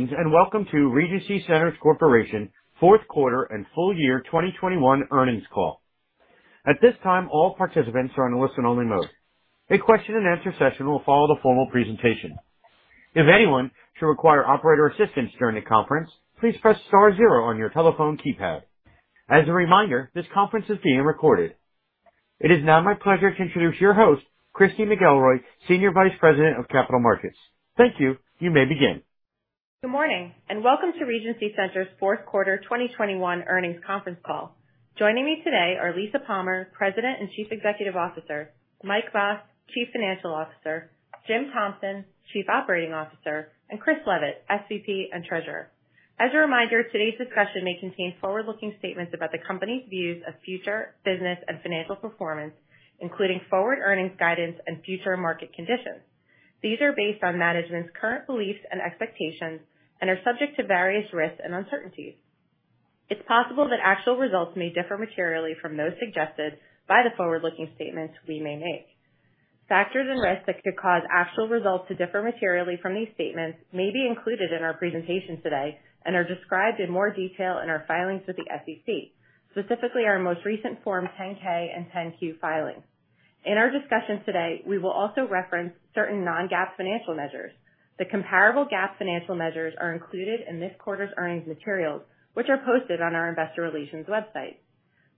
Greetings and welcome to Regency Centers Corporation fourth quarter and full year 2021 earnings call. At this time, all participants are on a listen-only mode. A question-and-answer session will follow the formal presentation. If anyone should require operator assistance during the conference, please press star zero on your telephone keypad. As a reminder, this conference is being recorded. It is now my pleasure to introduce your host, Christy McElroy, Senior Vice President of Capital Markets. Thank you. You may begin. Good morning and welcome to Regency Centers' fourth quarter 2021 earnings conference call. Joining me today are Lisa Palmer, President and Chief Executive Officer, Mike Mas, Chief Financial Officer, Jim Thompson, Chief Operating Officer, and Chris Leavitt, SVP and Treasurer. As a reminder, today's discussion may contain forward-looking statements about the company's views of future business and financial performance, including forward earnings guidance and future market conditions. These are based on management's current beliefs and expectations and are subject to various risks and uncertainties. It's possible that actual results may differ materially from those suggested by the forward-looking statements we may make. Factors and risks that could cause actual results to differ materially from these statements may be included in our presentation today and are described in more detail in our filings with the SEC, specifically our most recent Form 10-K and 10-Q filings. In our discussions today, we will also reference certain non-GAAP financial measures. The comparable GAAP financial measures are included in this quarter's earnings materials, which are posted on our investor relations website.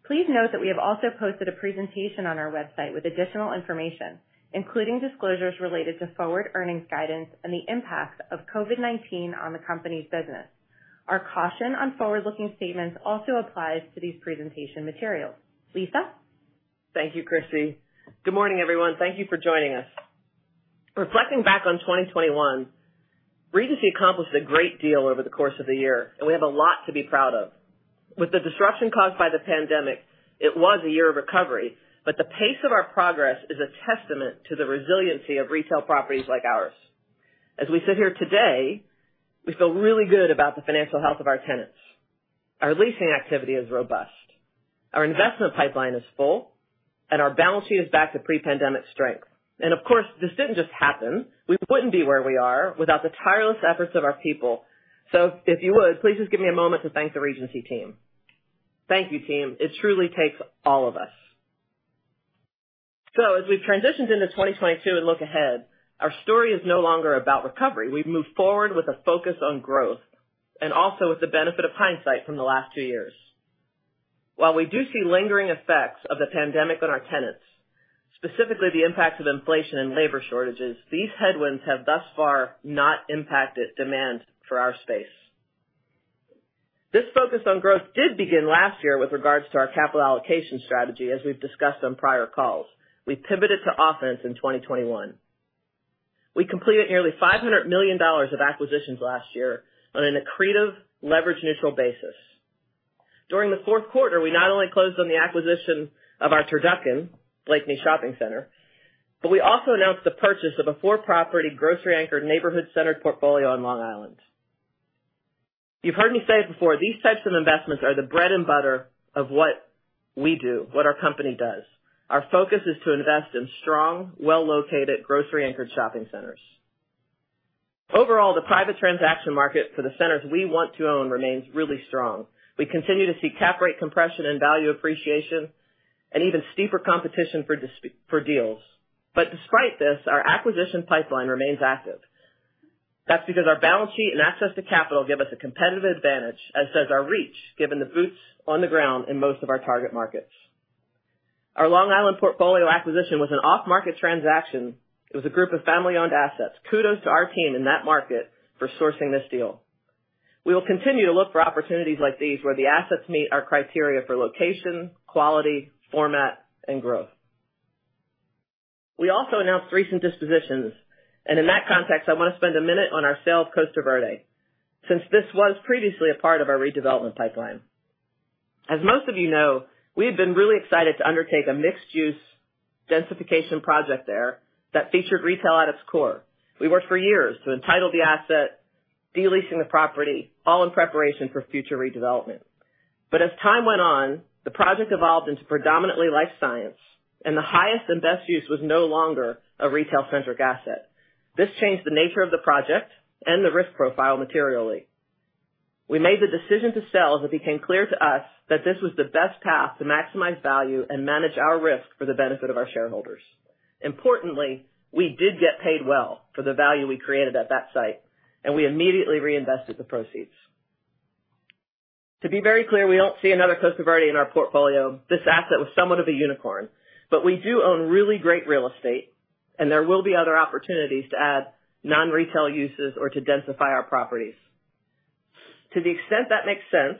Please note that we have also posted a presentation on our website with additional information, including disclosures related to forward earnings guidance and the impact of COVID-19 on the company's business. Our caution on forward-looking statements also applies to these presentation materials. Lisa? Thank you, Christy. Good morning, everyone. Thank you for joining us. Reflecting back on 2021, Regency accomplished a great deal over the course of the year, and we have a lot to be proud of. With the disruption caused by the pandemic, it was a year of recovery, but the pace of our progress is a testament to the resiliency of retail properties like ours. As we sit here today, we feel really good about the financial health of our tenants. Our leasing activity is robust, our investment pipeline is full, and our balance sheet is back to pre-pandemic strength. Of course, this didn't just happen. We wouldn't be where we are without the tireless efforts of our people. If you would, please just give me a moment to thank the Regency team. Thank you, team. It truly takes all of us. As we've transitioned into 2022 and look ahead, our story is no longer about recovery. We've moved forward with a focus on growth and also with the benefit of hindsight from the last two years. While we do see lingering effects of the pandemic on our tenants, specifically the impact of inflation and labor shortages, these headwinds have thus far not impacted demand for our space. This focus on growth did begin last year with regards to our capital allocation strategy, as we've discussed on prior calls. We pivoted to offense in 2021. We completed nearly $500 million of acquisitions last year on an accretive, leverage-neutral basis. During the fourth quarter, we not only closed on the acquisition of our Turducken, Blakeney Shopping Center, but we also announced the purchase of a four-property, grocery-anchored neighborhood center portfolio on Long Island. You've heard me say it before, these types of investments are the bread and butter of what we do, what our company does. Our focus is to invest in strong, well-located, grocery-anchored shopping centers. Overall, the private transaction market for the centers we want to own remains really strong. We continue to see cap rate compression and value appreciation and even steeper competition for deals. Despite this, our acquisition pipeline remains active. That's because our balance sheet and access to capital give us a competitive advantage, as does our reach, given the boots on the ground in most of our target markets. Our Long Island portfolio acquisition was an off-market transaction. It was a group of family-owned assets. Kudos to our team in that market for sourcing this deal. We will continue to look for opportunities like these where the assets meet our criteria for location, quality, format, and growth. We also announced recent dispositions, and in that context, I want to spend a minute on our sale of Costa Verde, since this was previously a part of our redevelopment pipeline. As most of you know, we have been really excited to undertake a mixed-use densification project there that featured retail at its core. We worked for years to entitle the asset, de-leasing the property, all in preparation for future redevelopment. As time went on, the project evolved into predominantly life science, and the highest and best use was no longer a retail-centric asset. This changed the nature of the project and the risk profile materially. We made the decision to sell as it became clear to us that this was the best path to maximize value and manage our risk for the benefit of our shareholders. Importantly, we did get paid well for the value we created at that site, and we immediately reinvested the proceeds. To be very clear, we don't see another Costa Verde in our portfolio. This asset was somewhat of a unicorn, but we do own really great real estate, and there will be other opportunities to add non-retail uses or to densify our properties. To the extent that makes sense,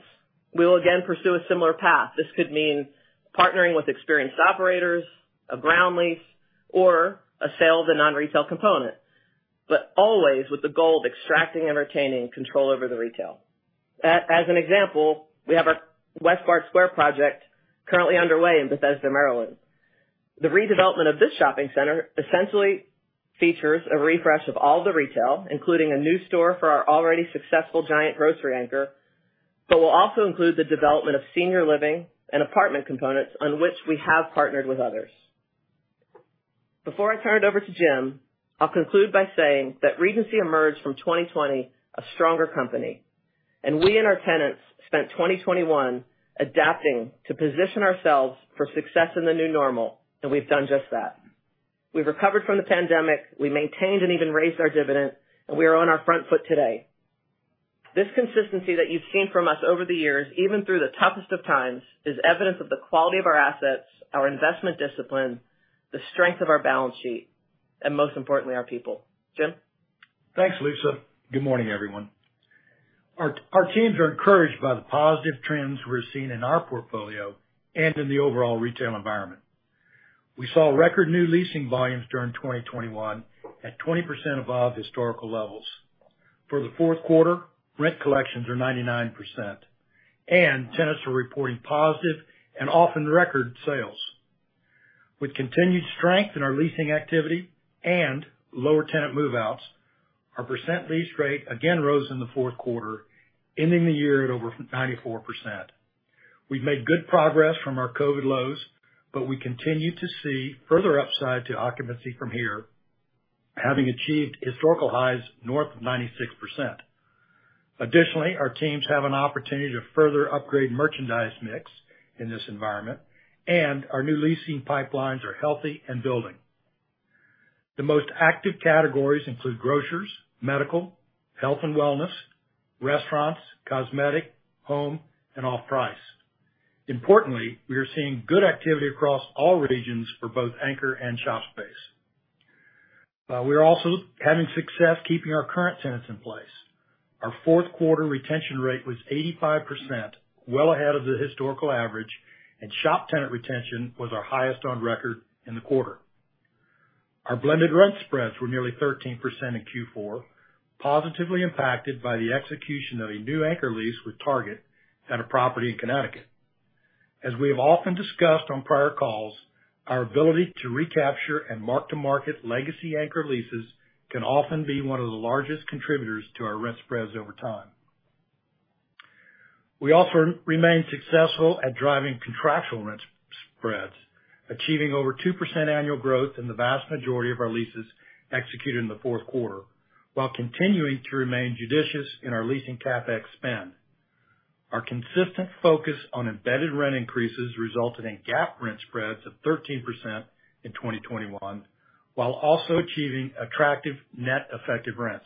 we will again pursue a similar path. This could mean partnering with experienced operators, a ground lease, or a sale of the non-retail component, but always with the goal of extracting and retaining control over the retail. As an example, we have our Westbard Square project currently underway in Bethesda, Maryland. The redevelopment of this shopping center essentially features a refresh of all the retail, including a new store for our already successful Giant grocery anchor, but will also include the development of senior living and apartment components, on which we have partnered with others. Before I turn it over to Jim, I'll conclude by saying that Regency emerged from 2020 a stronger company. We and our tenants spent 2021 adapting to position ourselves for success in the new normal, and we've done just that. We've recovered from the pandemic. We maintained and even raised our dividend, and we are on our front foot today. This consistency that you've seen from us over the years, even through the toughest of times, is evidence of the quality of our assets, our investment discipline, the strength of our balance sheet, and most importantly, our people. Jim. Thanks, Lisa. Good morning, everyone. Our teams are encouraged by the positive trends we're seeing in our portfolio and in the overall retail environment. We saw record new leasing volumes during 2021 at 20% above historical levels. For the fourth quarter, rent collections are 99%, and tenants are reporting positive and often record sales. With continued strength in our leasing activity and lower tenant move-outs, our percent lease rate again rose in the fourth quarter, ending the year at over 94%. We've made good progress from our COVID lows, but we continue to see further upside to occupancy from here, having achieved historical highs north of 96%. Additionally, our teams have an opportunity to further upgrade merchandise mix in this environment, and our new leasing pipelines are healthy and building. The most active categories include grocers, medical, health and wellness, restaurants, cosmetic, home, and off-price. Importantly, we are seeing good activity across all regions for both anchor and shop space. We are also having success keeping our current tenants in place. Our fourth quarter retention rate was 85%, well ahead of the historical average, and shop tenant retention was our highest on record in the quarter. Our blended rent spreads were nearly 13% in Q4, positively impacted by the execution of a new anchor lease with Target at a property in Connecticut. As we have often discussed on prior calls, our ability to recapture and mark-to-market legacy anchor leases can often be one of the largest contributors to our rent spreads over time. We also remain successful at driving contractual rent spreads, achieving over 2% annual growth in the vast majority of our leases executed in the fourth quarter, while continuing to remain judicious in our leasing CapEx spend. Our consistent focus on embedded rent increases resulted in GAAP rent spreads of 13% in 2021, while also achieving attractive net effective rents.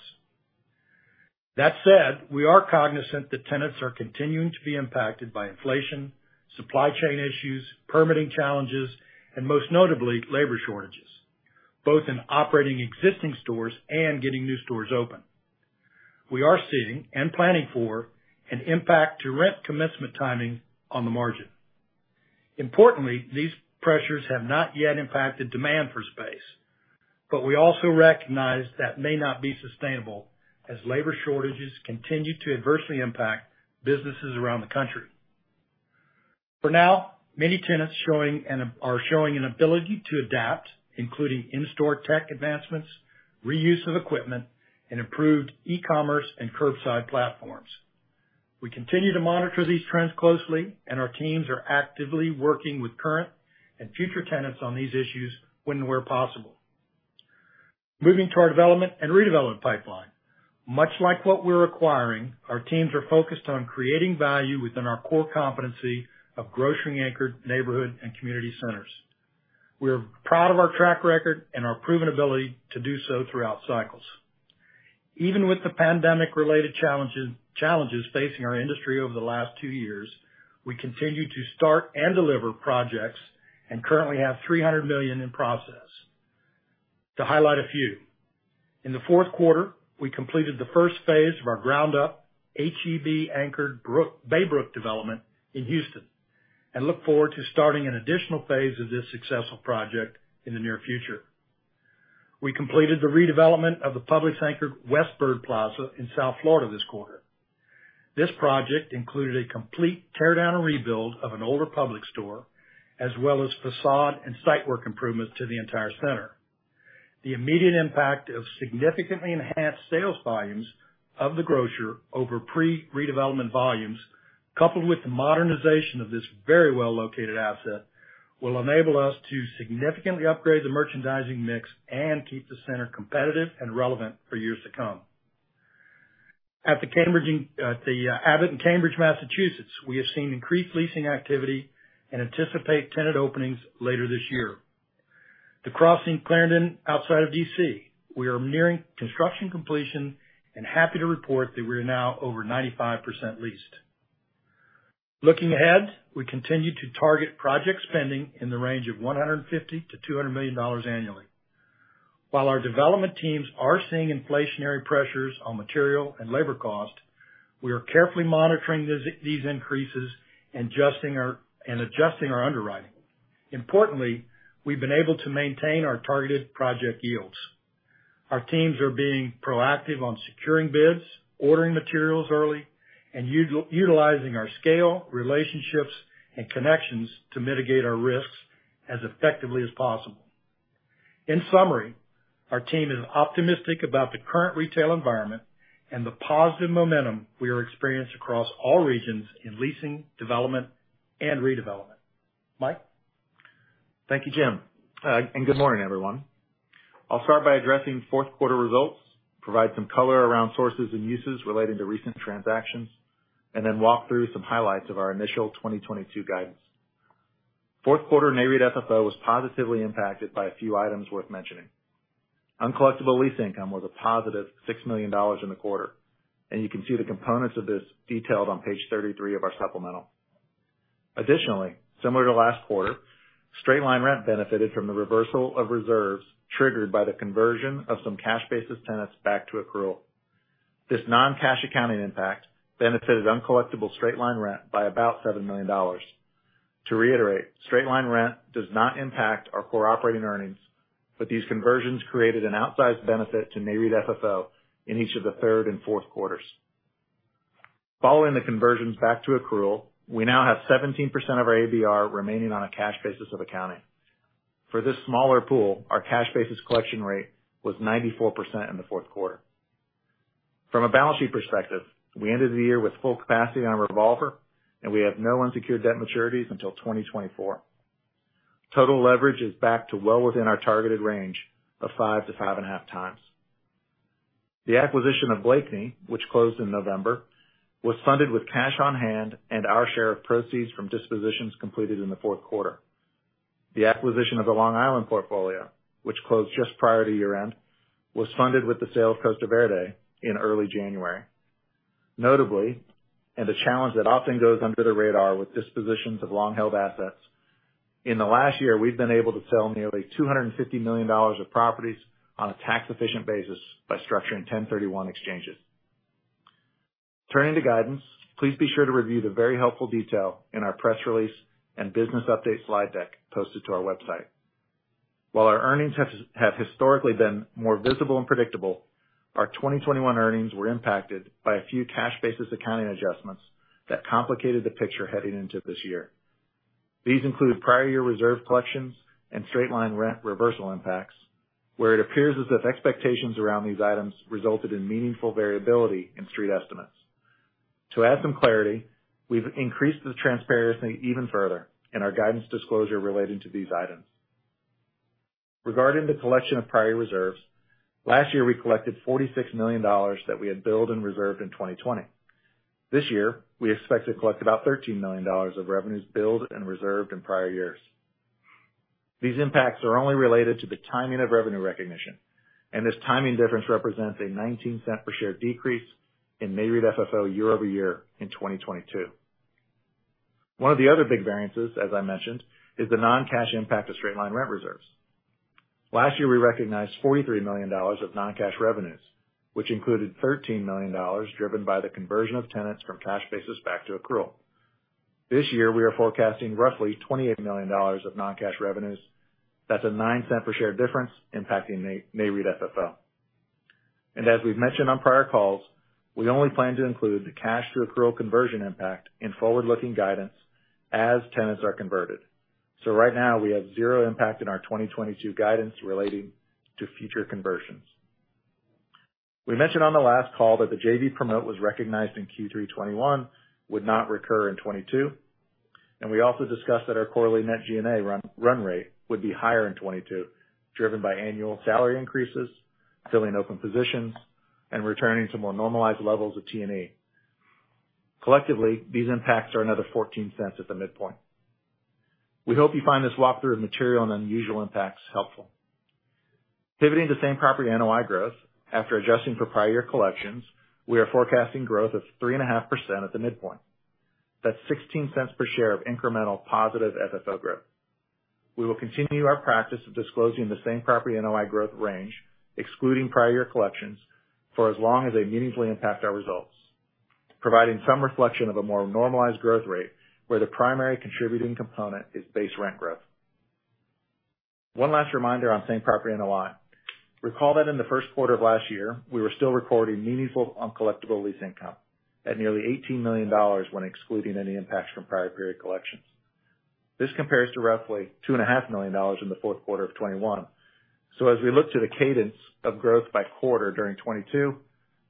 That said, we are cognizant that tenants are continuing to be impacted by inflation, supply chain issues, permitting challenges, and most notably, labor shortages, both in operating existing stores and getting new stores open. We are seeing and planning for an impact to rent commencement timing on the margin. Importantly, these pressures have not yet impacted demand for space, but we also recognize that may not be sustainable as labor shortages continue to adversely impact businesses around the country. For now, many tenants are showing an ability to adapt, including in-store tech advancements, reuse of equipment, and improved e-commerce and curbside platforms. We continue to monitor these trends closely, and our teams are actively working with current and future tenants on these issues when and where possible. Moving to our development and redevelopment pipeline. Much like what we're acquiring, our teams are focused on creating value within our core competency of grocery-anchored neighborhood and community centers. We are proud of our track record and our proven ability to do so throughout cycles. Even with the pandemic-related challenges facing our industry over the last two years, we continue to start and deliver projects and currently have $300 million in process. To highlight a few. In the fourth quarter, we completed the first phase of our ground-up H-E-B-anchored Baybrook development in Houston, and look forward to starting an additional phase of this successful project in the near future. We completed the redevelopment of the Publix-anchored West Bird Plaza in South Florida this quarter. This project included a complete tear-down and rebuild of an older Publix store, as well as facade and site work improvements to the entire center. The immediate impact of significantly enhanced sales volumes of the grocer over pre-redevelopment volumes, coupled with the modernization of this very well-located asset, will enable us to significantly upgrade the merchandising mix and keep the center competitive and relevant for years to come. At the Abbot in Cambridge, Massachusetts, we have seen increased leasing activity and anticipate tenant openings later this year. The Crossing Clarendon, outside of D.C., we are nearing construction completion and happy to report that we are now over 95% leased. Looking ahead, we continue to target project spending in the range of $150 million-$200 million annually. While our development teams are seeing inflationary pressures on material and labor cost, we are carefully monitoring these increases and adjusting our underwriting. Importantly, we've been able to maintain our targeted project yields. Our teams are being proactive on securing bids, ordering materials early, and utilizing our scale, relationships, and connections to mitigate our risks as effectively as possible. In summary, our team is optimistic about the current retail environment and the positive momentum we are experiencing across all regions in leasing, development, and redevelopment. Mike? Thank you, Jim. Good morning, everyone. I'll start by addressing fourth quarter results, provide some color around sources and uses relating to recent transactions, and then walk through some highlights of our initial 2022 guidance. Fourth quarter Nareit FFO was positively impacted by a few items worth mentioning. Uncollectible lease income was a +$6 million in the quarter, and you can see the components of this detailed on page 33 of our supplemental. Additionally, similar to last quarter, straight-line rent benefited from the reversal of reserves triggered by the conversion of some cash-basis tenants back to accrual. This non-cash accounting impact benefited uncollectible straight-line rent by about $7 million. To reiterate, straight-line rent does not impact our core operating earnings, but these conversions created an outsized benefit to Nareit FFO in each of the third and fourth quarters. Following the conversions back to accrual, we now have 17% of our ABR remaining on a cash basis of accounting. For this smaller pool, our cash basis collection rate was 94% in the fourth quarter. From a balance sheet perspective, we ended the year with full capacity on our revolver, and we have no unsecured debt maturities until 2024. Total leverage is back to well within our targeted range of 5x-5.5x. The acquisition of Blakeney, which closed in November, was funded with cash on hand and our share of proceeds from dispositions completed in the fourth quarter. The acquisition of the Long Island portfolio, which closed just prior to year-end, was funded with the sale of Costa Verde in early January. Notably, the challenge that often goes under the radar with dispositions of long-held assets, in the last year, we've been able to sell nearly $250 million of properties on a tax-efficient basis by structuring 1031 exchanges. Turning to guidance, please be sure to review the very helpful detail in our press release and business update slide deck posted to our website. While our earnings have historically been more visible and predictable, our 2021 earnings were impacted by a few cash-basis accounting adjustments that complicated the picture heading into this year. These include prior year reserve collections and straight-line reversal impacts, where it appears as if expectations around these items resulted in meaningful variability in street estimates. To add some clarity, we've increased the transparency even further in our guidance disclosure relating to these items. Regarding the collection of prior reserves, last year we collected $46 million that we had billed and reserved in 2020. This year, we expect to collect about $13 million of revenues billed and reserved in prior years. These impacts are only related to the timing of revenue recognition, and this timing difference represents a $0.19 per share decrease in Nareit FFO year-over-year in 2022. One of the other big variances, as I mentioned, is the non-cash impact of straight-line rent reserves. Last year, we recognized $43 million of non-cash revenues, which included $13 million driven by the conversion of tenants from cash basis back to accrual. This year, we are forecasting roughly $28 million of non-cash revenues. That's a $0.09 per share difference impacting Nareit FFO. As we've mentioned on prior calls, we only plan to include the cash to accrual conversion impact in forward-looking guidance as tenants are converted. Right now, we have 0 impact in our 2022 guidance relating to future conversions. We mentioned on the last call that the JV promote was recognized in Q3 2021 and would not recur in 2022, and we also discussed that our quarterly net G&A run rate would be higher in 2022, driven by annual salary increases, filling open positions, and returning to more normalized levels of T&E. Collectively, these impacts are another $0.14 at the midpoint. We hope you find this walkthrough of material and unusual impacts helpful. Pivoting to same property NOI growth, after adjusting for prior year collections, we are forecasting growth of 3.5% at the midpoint. That's $0.16 per share of incremental positive FFO growth. We will continue our practice of disclosing the same property NOI growth range, excluding prior year collections, for as long as they meaningfully impact our results, providing some reflection of a more normalized growth rate where the primary contributing component is base rent growth. One last reminder on same property NOI. Recall that in the first quarter of last year, we were still recording meaningful uncollectible lease income at nearly $18 million when excluding any impacts from prior period collections. This compares to roughly $2.5 million in the fourth quarter of 2021. We look to the cadence of growth by quarter during 2022,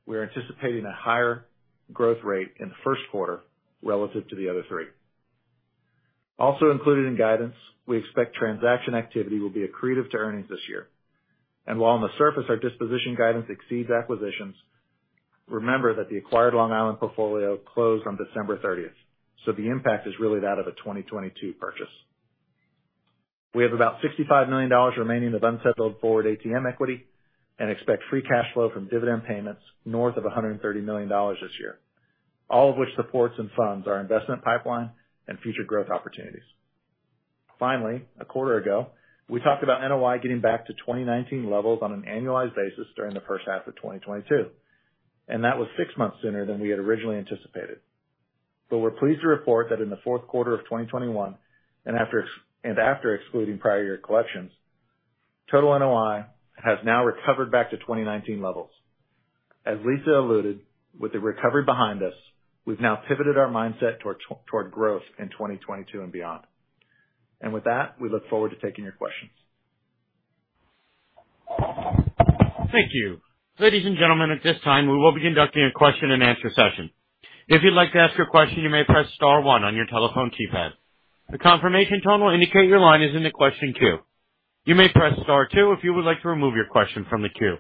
we are anticipating a higher growth rate in the first quarter relative to the other three. Also included in guidance, we expect transaction activity will be accretive to earnings this year. While on the surface, our disposition guidance exceeds acquisitions, remember that the acquired Long Island portfolio closed on December 30, so the impact is really that of a 2022 purchase. We have about $65 million remaining of unsettled forward ATM equity and expect free cash flow from dividend payments north of $130 million this year, all of which supports and funds our investment pipeline and future growth opportunities. Finally, a quarter ago, we talked about NOI getting back to 2019 levels on an annualized basis during the first half of 2022, and that was six months sooner than we had originally anticipated. We're pleased to report that in the fourth quarter of 2021, and after excluding prior year collections, total NOI has now recovered back to 2019 levels. As Lisa alluded, with the recovery behind us, we've now pivoted our mindset toward growth in 2022 and beyond. With that, we look forward to taking your questions. Thank you. Ladies and gentlemen, at this time, we will be conducting a question and answer session. If you'd like to ask your question, you may press star one on your telephone keypad. The confirmation tone will indicate your line is in the question queue. You may press star two if you would like to remove your question from the queue.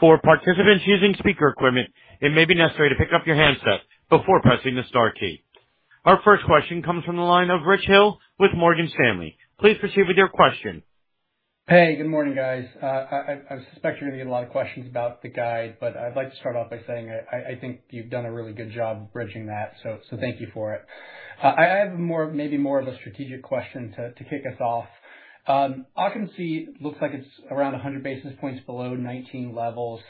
For participants using speaker equipment, it may be necessary to pick up your handset before pressing the star key. Our first question comes from the line of Rich Hill with Morgan Stanley. Please proceed with your question. Hey, good morning, guys. I suspect you're gonna get a lot of questions about the guide, but I'd like to start off by saying I think you've done a really good job bridging that, so thank you for it. I have more, maybe more of a strategic question to kick us off. Occupancy looks like it's around 100 basis points below 2019 levels.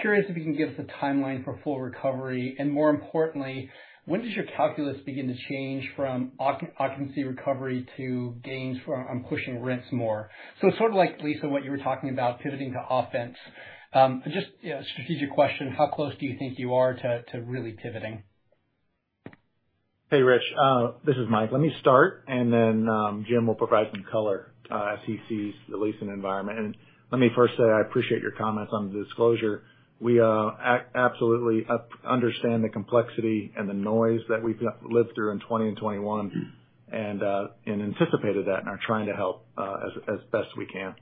Curious if you can give us a timeline for full recovery, and more importantly, when does your calculus begin to change from occupancy recovery to gains from pushing rents more? So sort of like, Lisa, what you were talking about pivoting to offense. Just, you know, strategic question, how close do you think you are to really pivoting? Hey, Rich, this is Mike. Let me start, and then Jim will provide some color as he sees the leasing environment. Let me first say, I appreciate your comments on the disclosure. We absolutely understand the complexity and the noise that we've lived through in 2020 and 2021, and anticipated that and are trying to help as best we can.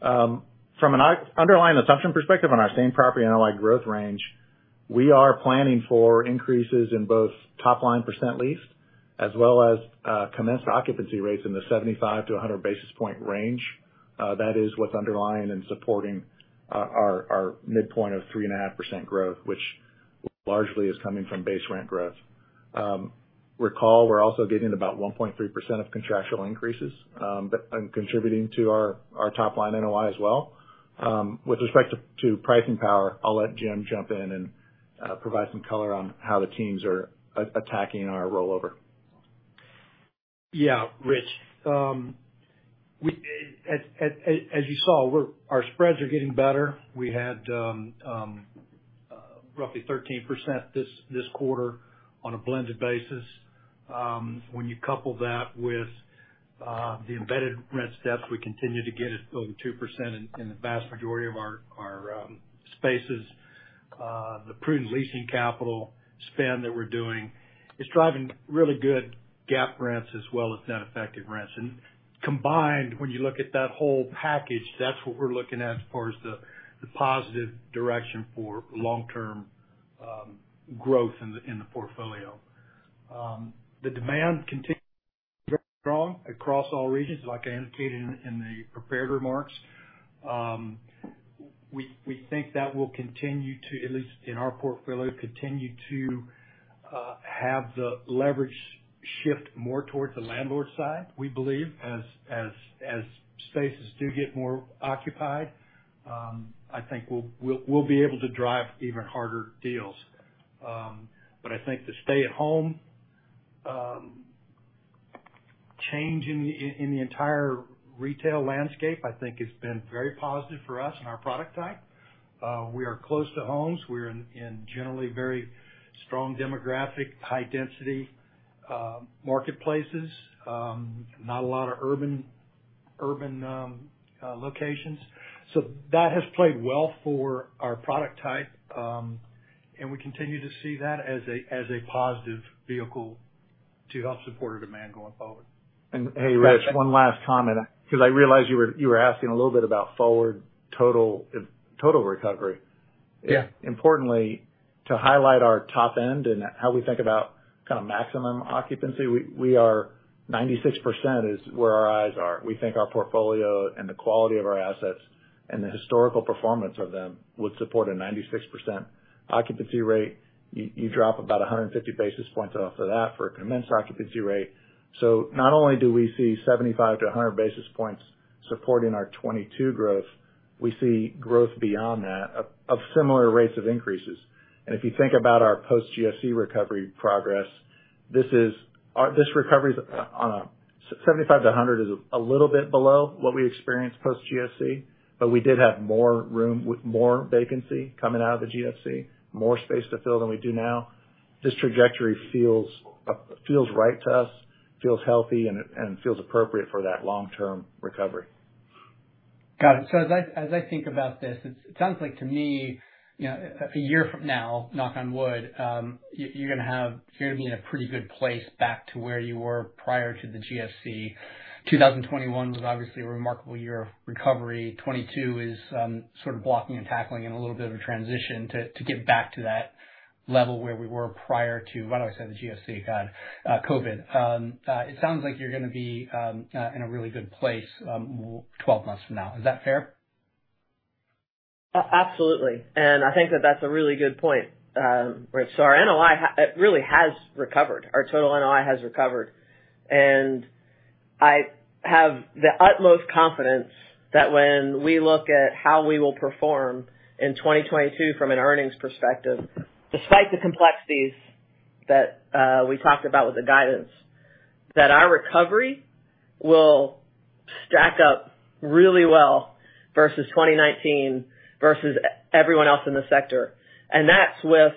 From an underlying assumption perspective on our same property NOI growth range, we are planning for increases in both top line % leased as well as commenced occupancy rates in the 75- to 100-basis point range. That is what's underlying and supporting our midpoint of 3.5% growth, which largely is coming from base rent growth. Recall, we're also getting about 1.3% of contractual increases and contributing to our top line NOI as well. With respect to pricing power, I'll let Jim jump in and provide some color on how the teams are attacking our rollover. Yeah. Rich, as you saw, our spreads are getting better. We had roughly 13% this quarter on a blended basis. When you couple that with the embedded rent steps, we continue to get it above 2% in the vast majority of our spaces. The prudent leasing capital spend that we're doing is driving really good GAAP rents as well as net effective rents. Combined, when you look at that whole package, that's what we're looking at as far as the positive direction for long-term growth in the portfolio. The demand continues strong across all regions, like I indicated in the prepared remarks. We think that will continue to, at least in our portfolio, have the leverage shift more towards the landlord side, we believe, as spaces do get more occupied. I think we'll be able to drive even harder deals. I think the stay-at-home change in the entire retail landscape, I think has been very positive for us and our product type. We are close to homes. We're in generally very strong demographic, high density marketplaces. Not a lot of urban locations. That has played well for our product type. We continue to see that as a positive vehicle to help support our demand going forward. Hey, Rich, one last comment, because I realize you were asking a little bit about forward total recovery. Yeah. Importantly, to highlight our top end and how we think about kind of maximum occupancy, we are 96% is where our eyes are. We think our portfolio and the quality of our assets and the historical performance of them would support a 96% occupancy rate. You drop about 150 basis points off of that for a commenced occupancy rate. Not only do we see 75-100 basis points supporting our 2022 growth, we see growth beyond that of similar rates of increases. If you think about our post-GFC recovery progress, this recovery's on a 75-100 is a little bit below what we experienced post-GFC, but we did have more room with more vacancy coming out of the GFC, more space to fill than we do now. This trajectory feels right to us, feels healthy, and feels appropriate for that long-term recovery. Got it. As I think about this, it sounds like to me, you know, a year from now, knock on wood, you're gonna be in a pretty good place back to where you were prior to the GFC. 2021 was obviously a remarkable year of recovery. 2022 is sort of blocking and tackling and a little bit of a transition to get back to that level where we were prior to, why do I say the GFC? God. COVID. It sounds like you're gonna be in a really good place 12 months from now. Is that fair? Absolutely. I think that's a really good point, Rich. Our NOI really has recovered. Our total NOI has recovered. I have the utmost confidence that when we look at how we will perform in 2022 from an earnings perspective, despite the complexities that we talked about with the guidance, that our recovery will Stack up really well versus 2019 versus everyone else in the sector. That's with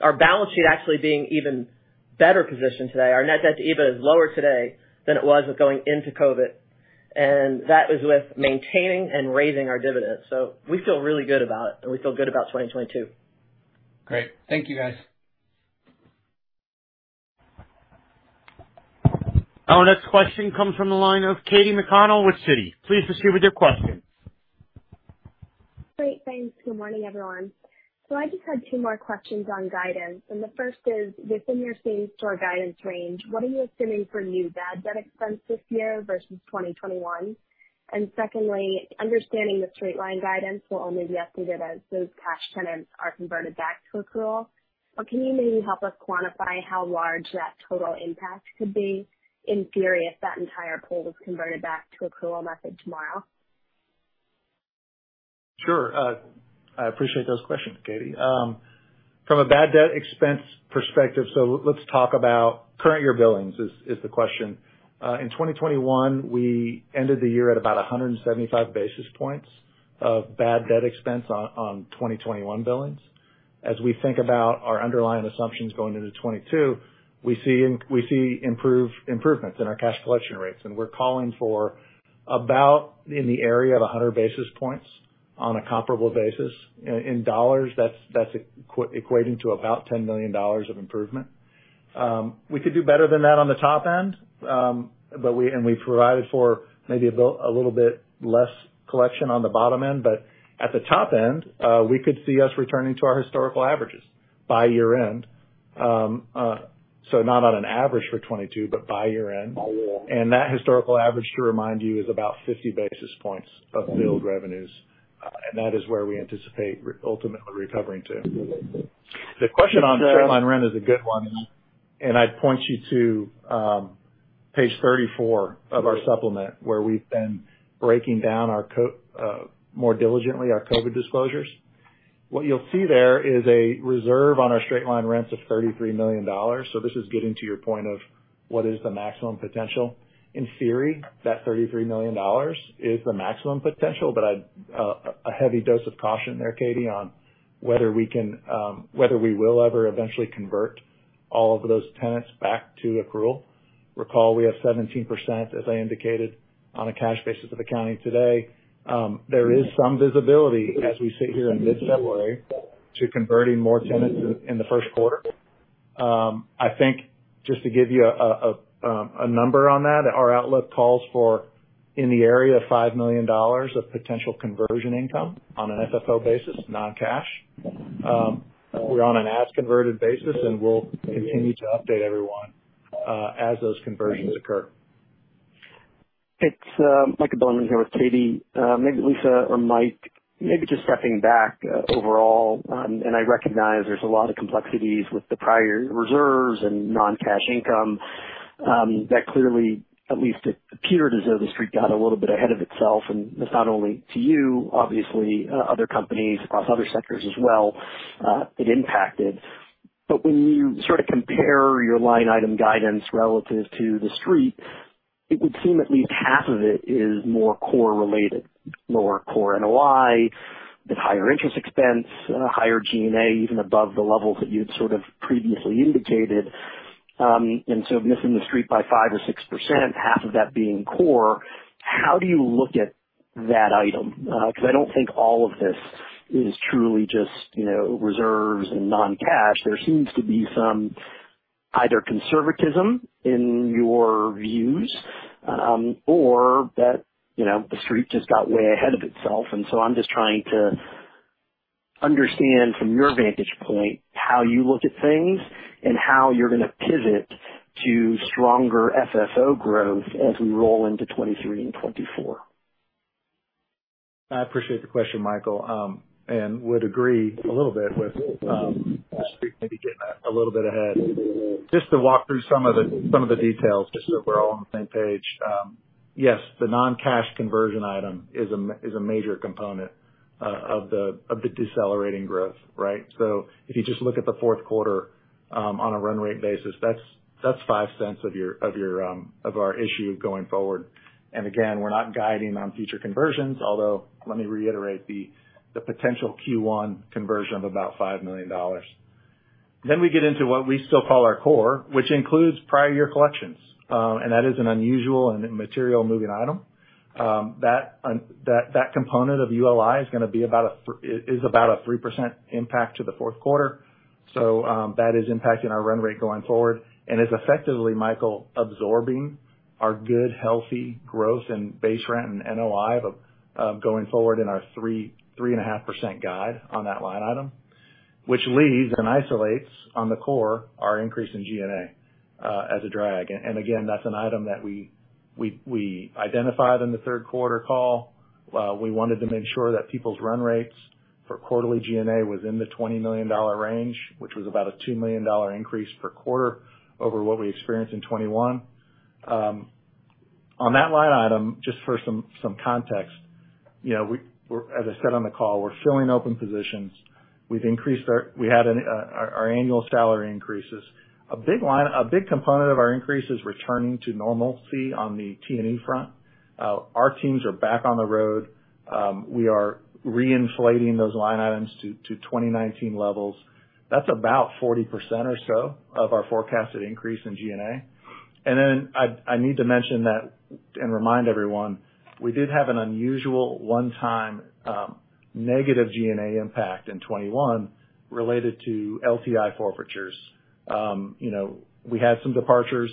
our balance sheet actually being even better positioned today. Our net debt to EBITDA is lower today than it was with going into COVID, and that is with maintaining and raising our dividends. We feel really good about it and we feel good about 2022. Great. Thank you guys. Our next question comes from the line of Katy McConnell with Citi. Please proceed with your question. Great. Thanks. Good morning, everyone. I just had two more questions on guidance, and the first is within your same store guidance range, what are you assuming for new bad debt expense this year versus 2021? Secondly, understanding the straight line guidance will only be updated as those cash tenants are converted back to accrual, but can you maybe help us quantify how large that total impact could be in theory if that entire pool was converted back to accrual method tomorrow? Sure. I appreciate those questions, Katy. From a bad debt expense perspective, let's talk about current year billings is the question. In 2021, we ended the year at about 175 basis points of bad debt expense on 2021 billings. As we think about our underlying assumptions going into 2022, we see improvements in our cash collection rates. We're calling for about in the area of 100 basis points on a comparable basis. In dollars, that's equating to about $10 million of improvement. We could do better than that on the top end, but we provided for maybe a little bit less collection on the bottom end. At the top end, we could see us returning to our historical averages by year end. Not on an average for 2022, but by year end. That historical average, to remind you, is about 50 basis points of billed revenues, and that is where we anticipate ultimately recovering to. The question on straight line rent is a good one, and I'd point you to page 34 of our supplement, where we've been breaking down more diligently our COVID disclosures. What you'll see there is a reserve on our straight line rents of $33 million. This is getting to your point of what is the maximum potential. In theory, that $33 million is the maximum potential, but I'd a heavy dose of caution there, Katy, on whether we can, whether we will ever eventually convert all of those tenants back to accrual. Recall, we have 17%, as I indicated, on a cash basis of accounting today. There is some visibility as we sit here in mid-February to converting more tenants in the first quarter. I think just to give you a number on that, our outlook calls for in the area of $5 million of potential conversion income on an FFO basis, non-cash. We're on an as converted basis, and we'll continue to update everyone as those conversions occur. It's Michael Bilerman here with Katie. Maybe Lisa or Mike, maybe just stepping back, overall, I recognize there's a lot of complexities with the prior reserves and non-cash income, that clearly, at least it appeared as though the street got a little bit ahead of itself. That's not only to you, obviously, other companies across other sectors as well, it impacted. When you sort of compare your line item guidance relative to the street, it would seem at least half of it is more core related, lower core NOI, bit higher interest expense, higher G&A, even above the levels that you had sort of previously indicated. Missing the street by 5% or 6%, half of that being core, how do you look at that item? Because I don't think all of this is truly just, you know, reserves and non-cash. There seems to be some either conservatism in your views, or that, you know, the street just got way ahead of itself. I'm just trying to understand from your vantage point how you look at things and how you're gonna pivot to stronger FFO growth as we roll into 2023 and 2024. I appreciate the question, Michael, and would agree a little bit with the street maybe getting a little bit ahead. Just to walk through some of the details, just so we're all on the same page. Yes, the non-cash conversion item is a major component of the decelerating growth, right? If you just look at the fourth quarter, on a run rate basis, that's $0.05 of our issue going forward. Again, we're not guiding on future conversions, although let me reiterate the potential Q1 conversion of about $5 million. We get into what we still call our core, which includes prior year collections, and that is an unusual and a material moving item. That component of ULI is about a 3% impact to the fourth quarter. That is impacting our run rate going forward and is effectively, Michael, absorbing our good, healthy growth in base rent and NOI going forward in our 3.5% guide on that line item. Which leaves and isolates on the core our increase in G&A as a drag. Again, that's an item that we identified in the third quarter call. We wanted to make sure that people's run rates for quarterly G&A was in the $20 million range, which was about a $2 million increase per quarter over what we experienced in 2021. On that line item, just for some context. You know, as I said on the call, we're filling open positions. We had our annual salary increases. A big component of our increase is returning to normalcy on the T&E front. Our teams are back on the road. We are reinflating those line items to 2019 levels. That's about 40% or so of our forecasted increase in G&A. Then I need to mention that and remind everyone, we did have an unusual one-time negative G&A impact in 2021 related to LTI forfeitures. You know, we had some departures,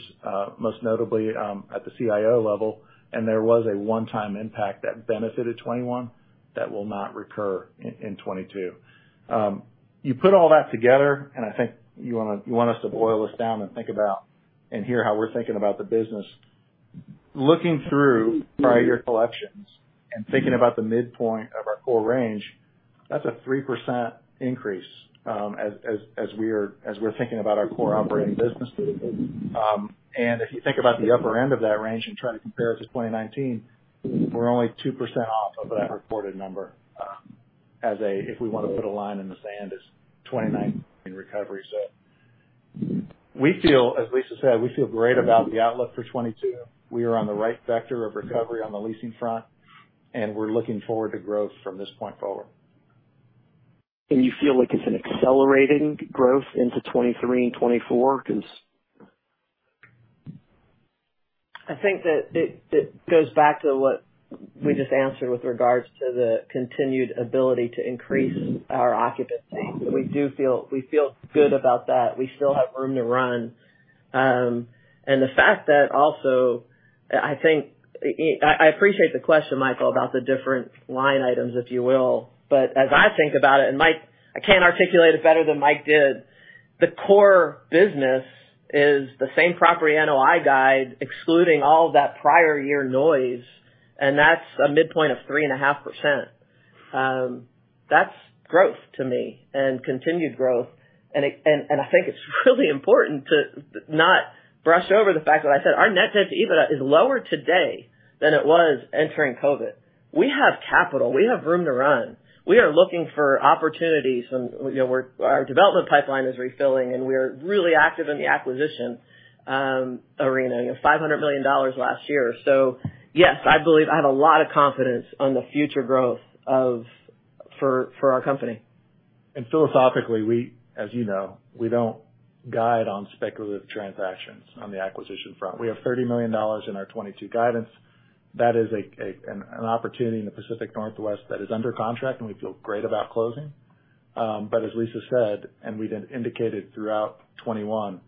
most notably, at the CIO level, and there was a one-time impact that benefited 2021 that will not recur in 2022. You put all that together, and I think you want us to boil this down and think about and hear how we're thinking about the business. Looking through prior year collections and thinking about the midpoint of our core range, that's a 3% increase, as we're thinking about our core operating business. If you think about the upper end of that range and try to compare it to 2019, we're only 2% off of that reported number, as if we wanna put a line in the sand, as 2019 recovery. We feel, as Lisa said, we feel great about the outlook for 2022. We are on the right vector of recovery on the leasing front, and we're looking forward to growth from this point forward. You feel like it's an accelerating growth into 2023 and 2024? 'Cause I think that it goes back to what we just answered with regards to the continued ability to increase our occupancy. We feel good about that. We still have room to run. I appreciate the question, Michael, about the different line items, if you will, but as I think about it, and Mike. I can't articulate it better than Mike did. The core business is the same property NOI guide excluding all that prior year noise, and that's a midpoint of 3.5%. That's growth to me and continued growth. I think it's really important to not brush over the fact that I said our net debt to EBITDA is lower today than it was entering COVID. We have capital. We have room to run. We are looking for opportunities from, you know, our development pipeline is refilling, and we are really active in the acquisition arena. You know, $500 million last year. Yes, I believe I have a lot of confidence on the future growth for our company. Philosophically, as you know, we don't guide on speculative transactions on the acquisition front. We have $30 million in our 2022 guidance. That is an opportunity in the Pacific Northwest that is under contract, and we feel great about closing. But as Lisa said, and we've indicated throughout 2021,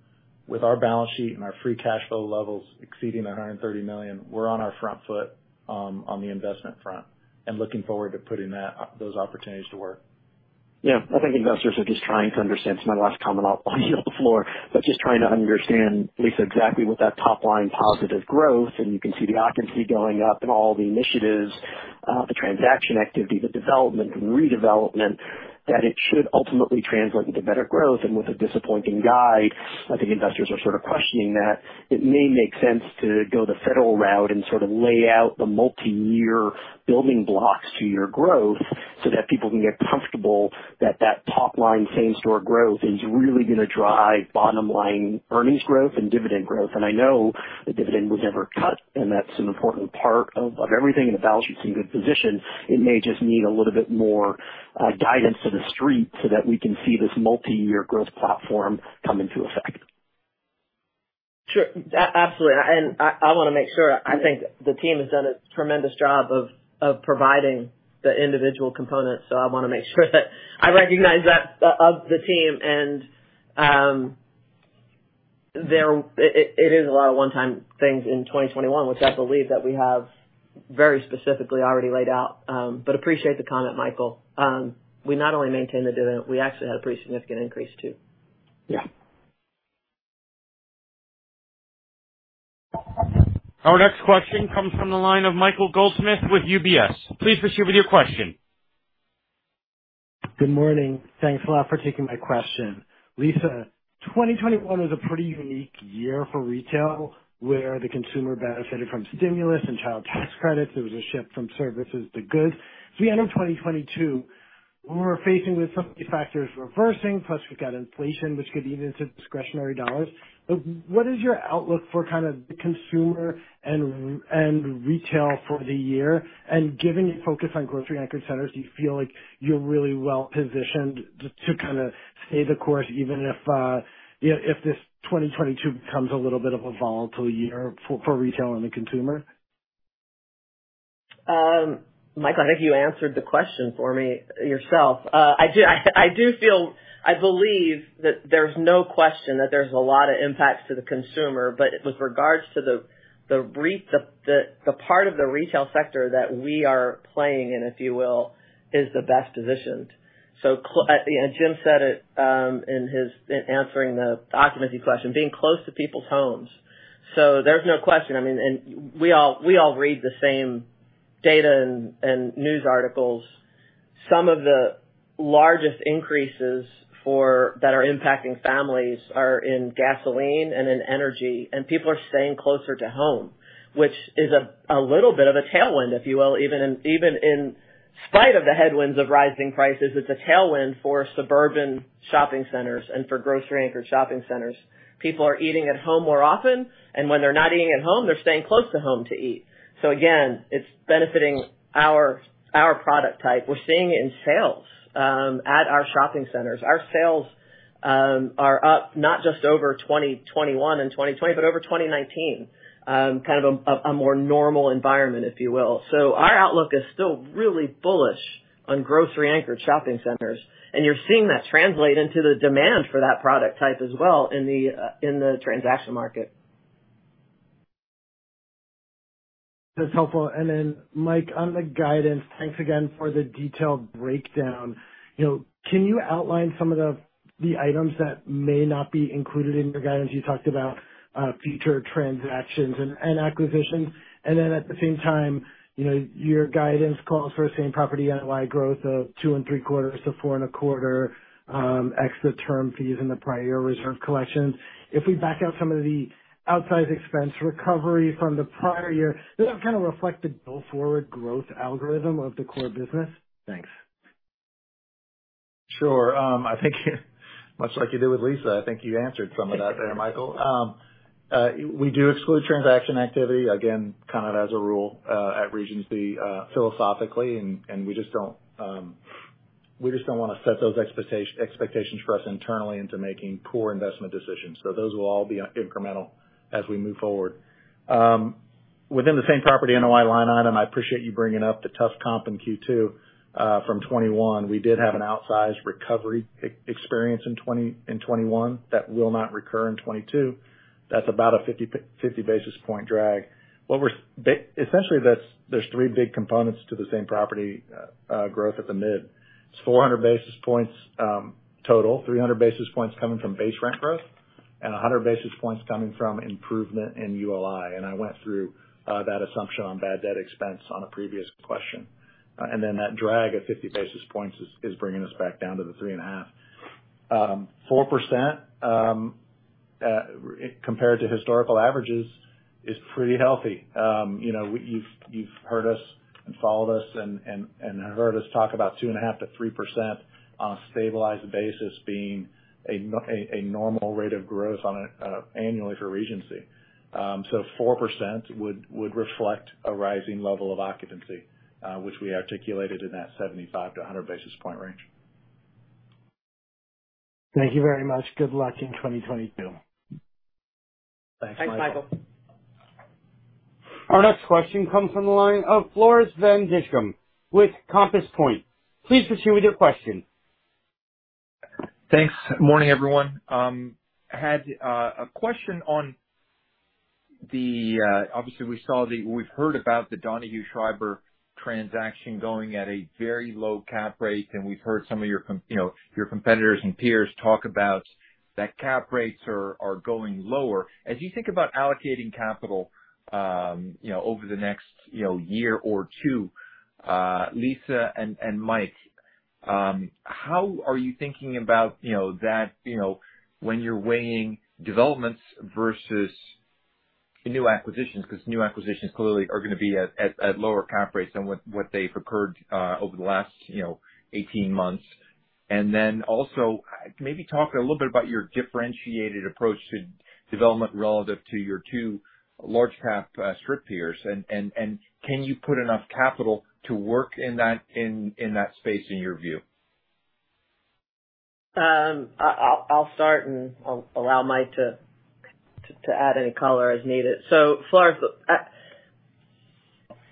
with our balance sheet and our free cash flow levels exceeding $130 million, we're on our front foot on the investment front and looking forward to putting those opportunities to work. Yeah. I think investors are just trying to understand. It's my last comment, I'll yield the floor. Just trying to understand, Lisa, exactly what that top line positive growth, and you can see the occupancy going up and all the initiatives, the transaction activity, the development and redevelopment, that it should ultimately translate into better growth. With a disappointing guide, I think investors are sort of questioning that. It may make sense to go the federal route and sort of lay out the multi-year building blocks to your growth so that people can get comfortable that that top line same store growth is really gonna drive bottom line earnings growth and dividend growth. I know the dividend was never cut, and that's an important part of everything, and the balance sheet's in good position. It may just need a little bit more, guidance to the street so that we can see this multi-year growth platform come into effect. Sure. Absolutely. I wanna make sure. I think the team has done a tremendous job of providing the individual components, so I wanna make sure that I recognize that of the team. It is a lot of one-time things in 2021, which I believe that we have very specifically already laid out. I appreciate the comment, Michael. We not only maintained the dividend, we actually had a pretty significant increase too. Yeah. Our next question comes from the line of Michael Goldsmith with UBS. Please proceed with your question. Good morning. Thanks a lot for taking my question. Lisa, 2021 was a pretty unique year for retail, where the consumer benefited from stimulus and child tax credits. There was a shift from services to goods. As we enter 2022, we're facing with some of the factors reversing, plus we've got inflation, which could eat into discretionary dollars. What is your outlook for kind of the consumer and retail for the year? And given your focus on grocery-anchored centers, do you feel like you're really well-positioned to kind of stay the course, even if this 2022 becomes a little bit of a volatile year for retail and the consumer? Michael, I think you answered the question for me yourself. I believe that there's no question that there's a lot of impacts to the consumer, but with regards to the part of the retail sector that we are playing in, if you will, is the best positioned. Jim said it in his answering the occupancy question, being close to people's homes. There's no question. I mean, we all read the same data and news articles. Some of the largest increases that are impacting families are in gasoline and in energy, and people are staying closer to home, which is a little bit of a tailwind, if you will, even in spite of the headwinds of rising prices. It's a tailwind for suburban shopping centers and for grocery-anchored shopping centers. People are eating at home more often, and when they're not eating at home, they're staying close to home to eat. Again, it's benefiting our product type. We're seeing it in sales at our shopping centers. Our sales are up not just over 2021 and 2020, but over 2019. Kind of a more normal environment, if you will. Our outlook is still really bullish on grocery-anchored shopping centers, and you're seeing that translate into the demand for that product type as well in the transaction market. That's helpful. Mike, on the guidance, thanks again for the detailed breakdown. You know, can you outline some of the items that may not be included in your guidance? You talked about future transactions and acquisitions. At the same time, you know, your guidance calls for same-property NOI growth of 2.75%-4.25%, ex the term fees in the prior reserve collections. If we back out some of the outsized expense recovery from the prior year, does that kind of reflect the go-forward growth algorithm of the core business? Thanks. Sure. I think much like you did with Lisa, I think you answered some of that there, Michael. We do exclude transaction activity, again, kind of as a rule, at Regency, philosophically, and we just don't wanna set those expectations for us internally into making poor investment decisions. So those will all be incremental as we move forward. Within the same property NOI line item, I appreciate you bringing up the tough comp in Q2 from 2021. We did have an outsized recovery experience in 2021 that will not recur in 2022. That's about a 50 basis point drag. Essentially, that's. There's three big components to the same property growth at the mid. It's 400 basis points total. 300 basis points coming from base rent growth and 100 basis points coming from improvement in ULI. I went through that assumption on bad debt expense on a previous question. Then that drag at 50 basis points is bringing us back down to the 3.5. 4% compared to historical averages is pretty healthy. You know, you've heard us and followed us and have heard us talk about 2.5%-3% on a stabilized basis being a normal rate of growth annually for Regency. 4% would reflect a rising level of occupancy, which we articulated in that 75-100 basis point range. Thank you very much. Good luck in 2022. Thanks, Michael. Thanks, Michael. Our next question comes from the line of Floris van Dijkum with Compass Point. Please proceed with your question. Thanks. Morning, everyone. Had a question on the obviously we saw we've heard about the Donahue Schriber transaction going at a very low cap rate, and we've heard some of your you know, your competitors and peers talk about that cap rates are going lower. As you think about allocating capital, you know, over the next, you know, year or two, Lisa and Mike, how are you thinking about, you know, that, you know, when you're weighing developments versus new acquisitions, because new acquisitions clearly are gonna be at lower cap rates than what they've occurred over the last, you know, 18 months. Also maybe talk a little bit about your differentiated approach to development relative to your two large cap strip peers. Can you put enough capital to work in that space in your view? I'll start, and I'll allow Mike to add any color as needed. Floris,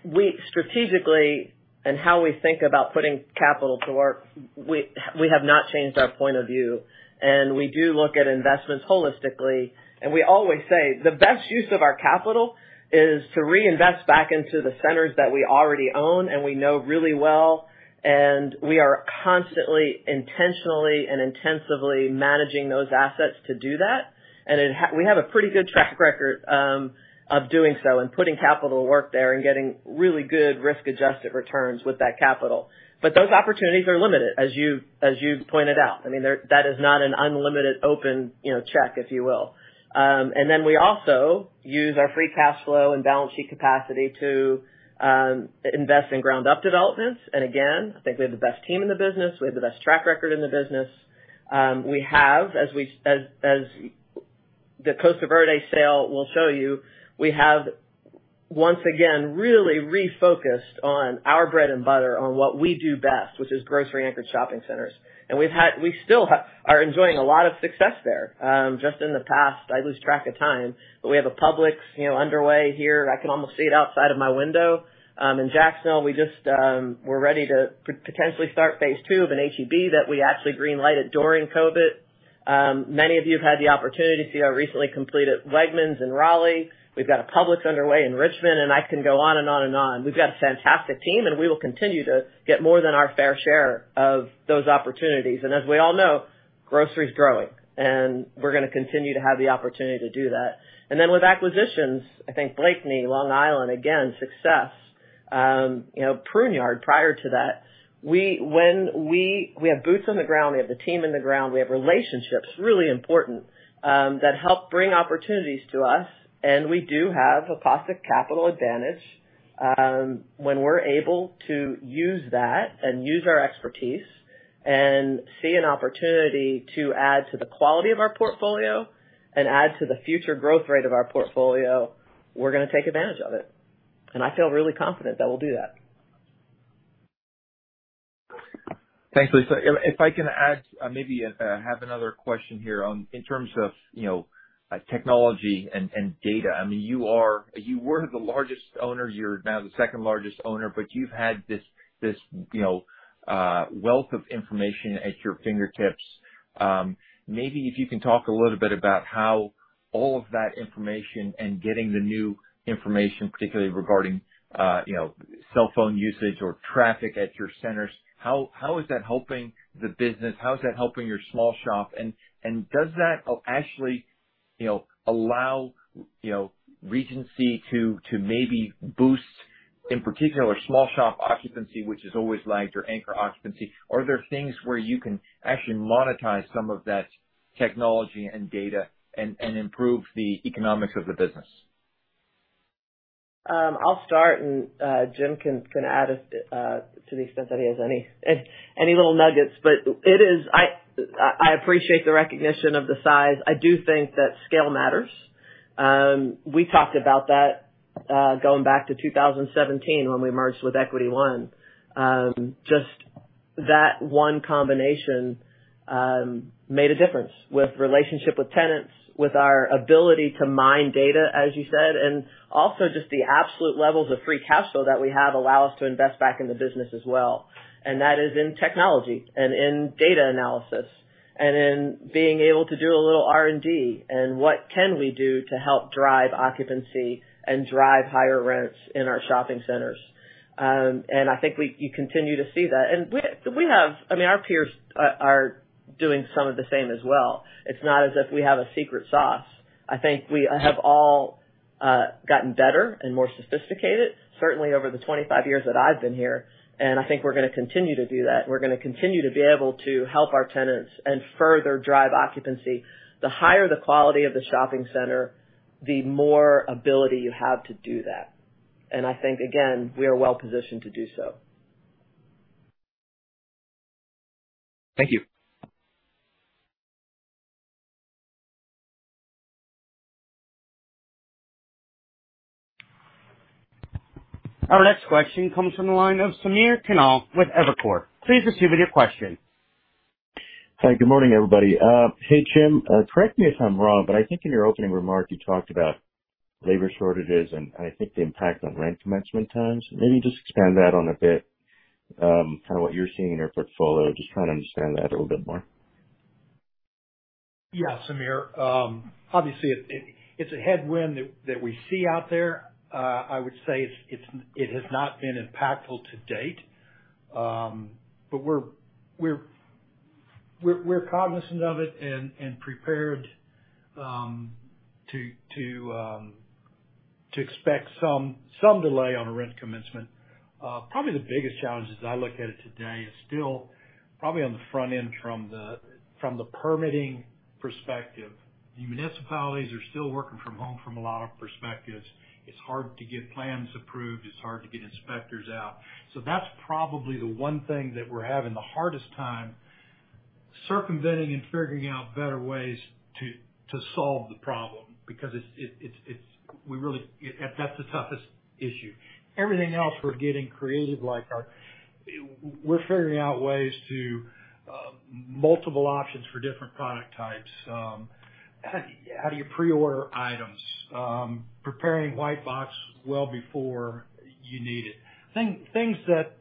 we strategically and how we think about putting capital to work, we have not changed our point of view. We do look at investments holistically. We always say the best use of our capital is to reinvest back into the centers that we already own and we know really well, and we are constantly, intentionally, and intensively managing those assets to do that. We have a pretty good track record of doing so and putting capital to work there and getting really good risk-adjusted returns with that capital. Those opportunities are limited, as you pointed out. I mean, that is not an unlimited open, you know, check, if you will. We also use our free cash flow and balance sheet capacity to invest in ground-up developments. Again, I think we have the best team in the business. We have the best track record in the business. We have, as the Costa Verde sale will show you, we have once again really refocused on our bread and butter on what we do best, which is grocery-anchored shopping centers. We still are enjoying a lot of success there. Just in the past, I lose track of time, but we have a Publix, you know, underway here. I can almost see it outside of my window. In Jacksonville, we just, we're ready to potentially start phase two of an H-E-B that we actually green lighted during COVID. Many of you have had the opportunity to see our recently completed Wegmans in Raleigh. We've got a Publix underway in Richmond, and I can go on and on and on. We've got a fantastic team, and we will continue to get more than our fair share of those opportunities. As we all know, grocery is growing, and we're gonna continue to have the opportunity to do that. Then with acquisitions, I think Blakeney, Long Island, again, success. You know, Pruneyard prior to that. We have boots on the ground, we have the team on the ground, we have relationships, really important, that help bring opportunities to us, and we do have a cost of capital advantage. When we're able to use that and use our expertise and see an opportunity to add to the quality of our portfolio and add to the future growth rate of our portfolio, we're gonna take advantage of it. I feel really confident that we'll do that. Thanks, Lisa. If I can add, maybe have another question here on in terms of, you know, technology and data. I mean, you were the largest owner. You're now the second largest owner, but you've had this, you know, wealth of information at your fingertips. Maybe if you can talk a little bit about how all of that information and getting the new information, particularly regarding, you know, cell phone usage or traffic at your centers, how is that helping the business. How is that helping your small shop. And does that actually, you know, allow, you know, Regency to maybe boost, in particular, small shop occupancy, which is always lagged your anchor occupancy. Are there things where you can actually monetize some of that technology and data and improve the economics of the business. I'll start and Jim can add to the extent that he has any little nuggets. I appreciate the recognition of the size. I do think that scale matters. We talked about that going back to 2017 when we merged with Equity One. Just that one combination made a difference with relationship with tenants, with our ability to mine data, as you said, and also just the absolute levels of free cash flow that we have allow us to invest back in the business as well. That is in technology and in data analysis and in being able to do a little R&D and what can we do to help drive occupancy and drive higher rents in our shopping centers. I think you continue to see that. We have... I mean, our peers are doing some of the same as well. It's not as if we have a secret sauce. I think we have all gotten better and more sophisticated, certainly over the 25 years that I've been here. I think we're gonna continue to do that. We're gonna continue to be able to help our tenants and further drive occupancy. The higher the quality of the shopping center, the more ability you have to do that. I think, again, we are well-positioned to do so. Thank you. Our next question comes from the line of Samir Khanal with Evercore. Please proceed with your question. Hi, good morning, everybody. Hey, Jim, correct me if I'm wrong, but I think in your opening remark, you talked about labor shortages and I think the impact on rent commencement times. Maybe just expand that on a bit, kind of what you're seeing in your portfolio. Just trying to understand that a little bit more. Yeah, Samir. Obviously it's a headwind that we see out there. I would say it has not been impactful to date. But we're cognizant of it and prepared to expect some delay on the rent commencement. Probably the biggest challenges as I look at it today is still probably on the front end from the permitting perspective. The municipalities are still working from home from a lot of perspectives. It's hard to get plans approved. It's hard to get inspectors out. So that's probably the one thing that we're having the hardest time circumventing and figuring out better ways to solve the problem because that's the toughest issue. Everything else, we're getting creative. We're figuring out ways to multiple options for different product types. How do you pre-order items? Preparing white box well before you need it. Things that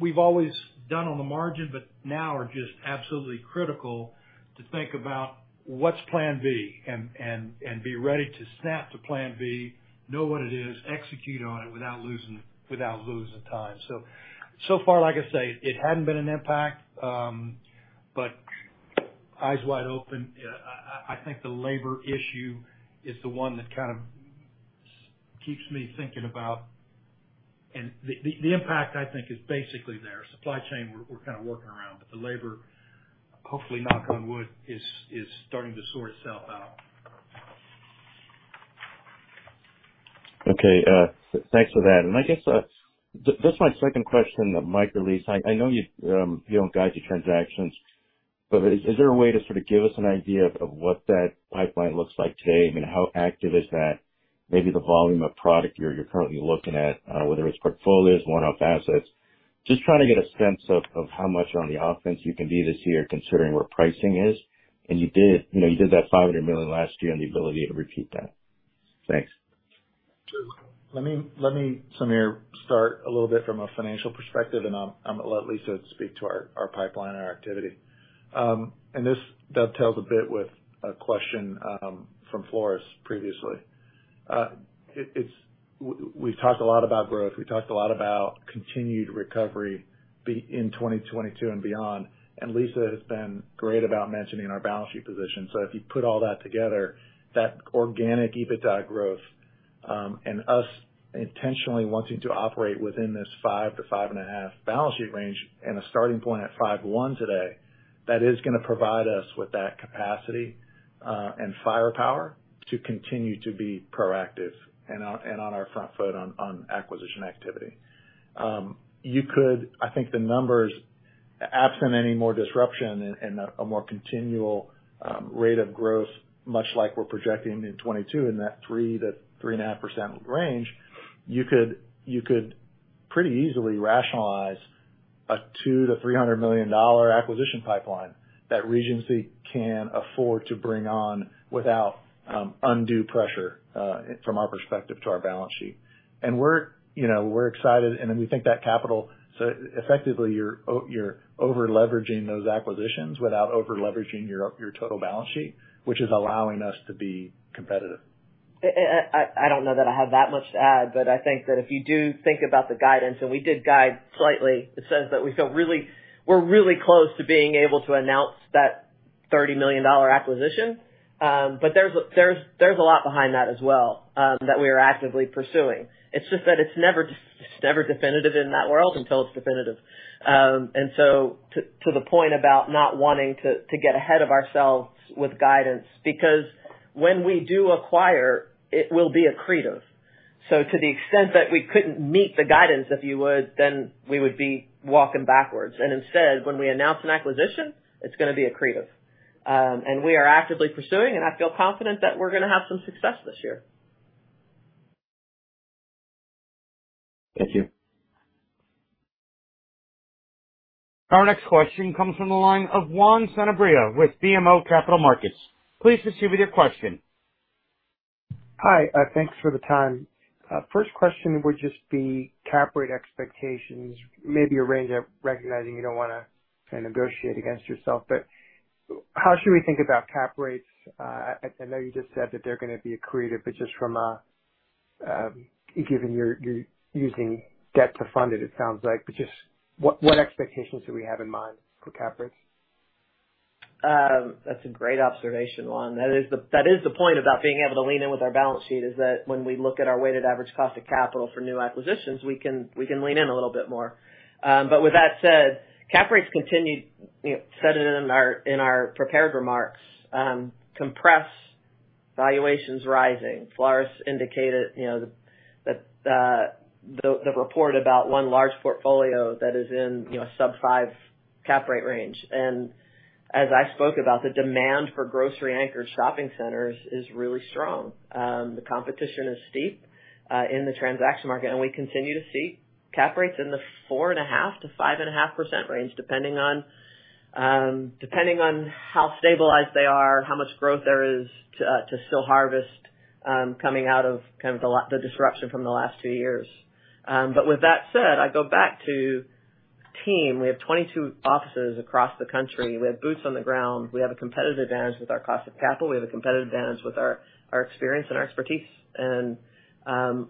we've always done on the margin, but now are just absolutely critical to think about what's plan B and be ready to snap to plan B, know what it is, execute on it without losing time. So far, like I say, it hadn't been an impact, but eyes wide open. I think the labor issue is the one that kind of keeps me thinking about. The impact, I think, is basically there. Supply chain, we're kind of working around. The labor, hopefully, knock on wood, is starting to sort itself out. Okay. Thanks for that. I guess just my second question, Mike or Lisa, I know you don't guide to transactions, but is there a way to sort of give us an idea of what that pipeline looks like today? I mean, how active is that? Maybe the volume of product you're currently looking at, whether it's portfolios, one-off assets. Just trying to get a sense of how much on the offense you can be this year considering where pricing is. You did, you know, you did that $500 million last year and the ability to repeat that. Thanks. Let me, Samir, start a little bit from a financial perspective, and I'm gonna let Lisa speak to our pipeline and our activity. This dovetails a bit with a question from Floris previously. We've talked a lot about growth. We've talked a lot about continued recovery in 2022 and beyond, and Lisa has been great about mentioning our balance sheet position. If you put all that together, that organic EBITDA growth, and us intentionally wanting to operate within this 5 to 5.5 balance sheet range and a starting point at 5.1 today, that is gonna provide us with that capacity, and firepower to continue to be proactive and on our front foot on acquisition activity. You could... I think the numbers, absent any more disruption and a more continual rate of growth, much like we're projecting in 2022 in that 3%-3.5% range, you could pretty easily rationalize a $200 million-$300 million acquisition pipeline that Regency can afford to bring on without undue pressure, from our perspective, to our balance sheet. We're excited. We think that capital. Effectively you're over-leveraging those acquisitions without over-leveraging your total balance sheet, which is allowing us to be competitive. I don't know that I have that much to add, but I think that if you do think about the guidance, and we did guide slightly. It says that we're really close to being able to announce that $30 million acquisition. But there's a lot behind that as well that we are actively pursuing. It's just that it's never definitive in that world until it's definitive. To the point about not wanting to get ahead of ourselves with guidance, because when we do acquire, it will be accretive. To the extent that we couldn't meet the guidance, if you would, then we would be walking backwards. Instead, when we announce an acquisition, it's gonna be accretive. We are actively pursuing, and I feel confident that we're gonna have some success this year. Thank you. Our next question comes from the line of Juan Sanabria with BMO Capital Markets. Please go ahead. Hi. Thanks for the time. First question would just be cap rate expectations, maybe a range of recognizing you don't wanna kinda negotiate against yourself, but how should we think about cap rates? I know you just said that they're gonna be accretive, but just from a given you're using debt to fund it sounds like, but just what expectations do we have in mind for cap rates? That's a great observation, Juan. That is the point about being able to lean in with our balance sheet, is that when we look at our weighted average cost of capital for new acquisitions, we can lean in a little bit more. But with that said, cap rates continue, you know, said it in our prepared remarks, to compress, valuations rising. Floris indicated, you know, the report about one large portfolio that is in, you know, sub-5 cap rate range. As I spoke about, the demand for grocery-anchored shopping centers is really strong. The competition is steep in the transaction market, and we continue to see cap rates in the 4.5%-5.5% range, depending on how stabilized they are and how much growth there is to still harvest coming out of kind of the disruption from the last two years. With that said, I go back to team. We have 22 offices across the country. We have boots on the ground. We have a competitive advantage with our cost of capital. We have a competitive advantage with our experience and our expertise.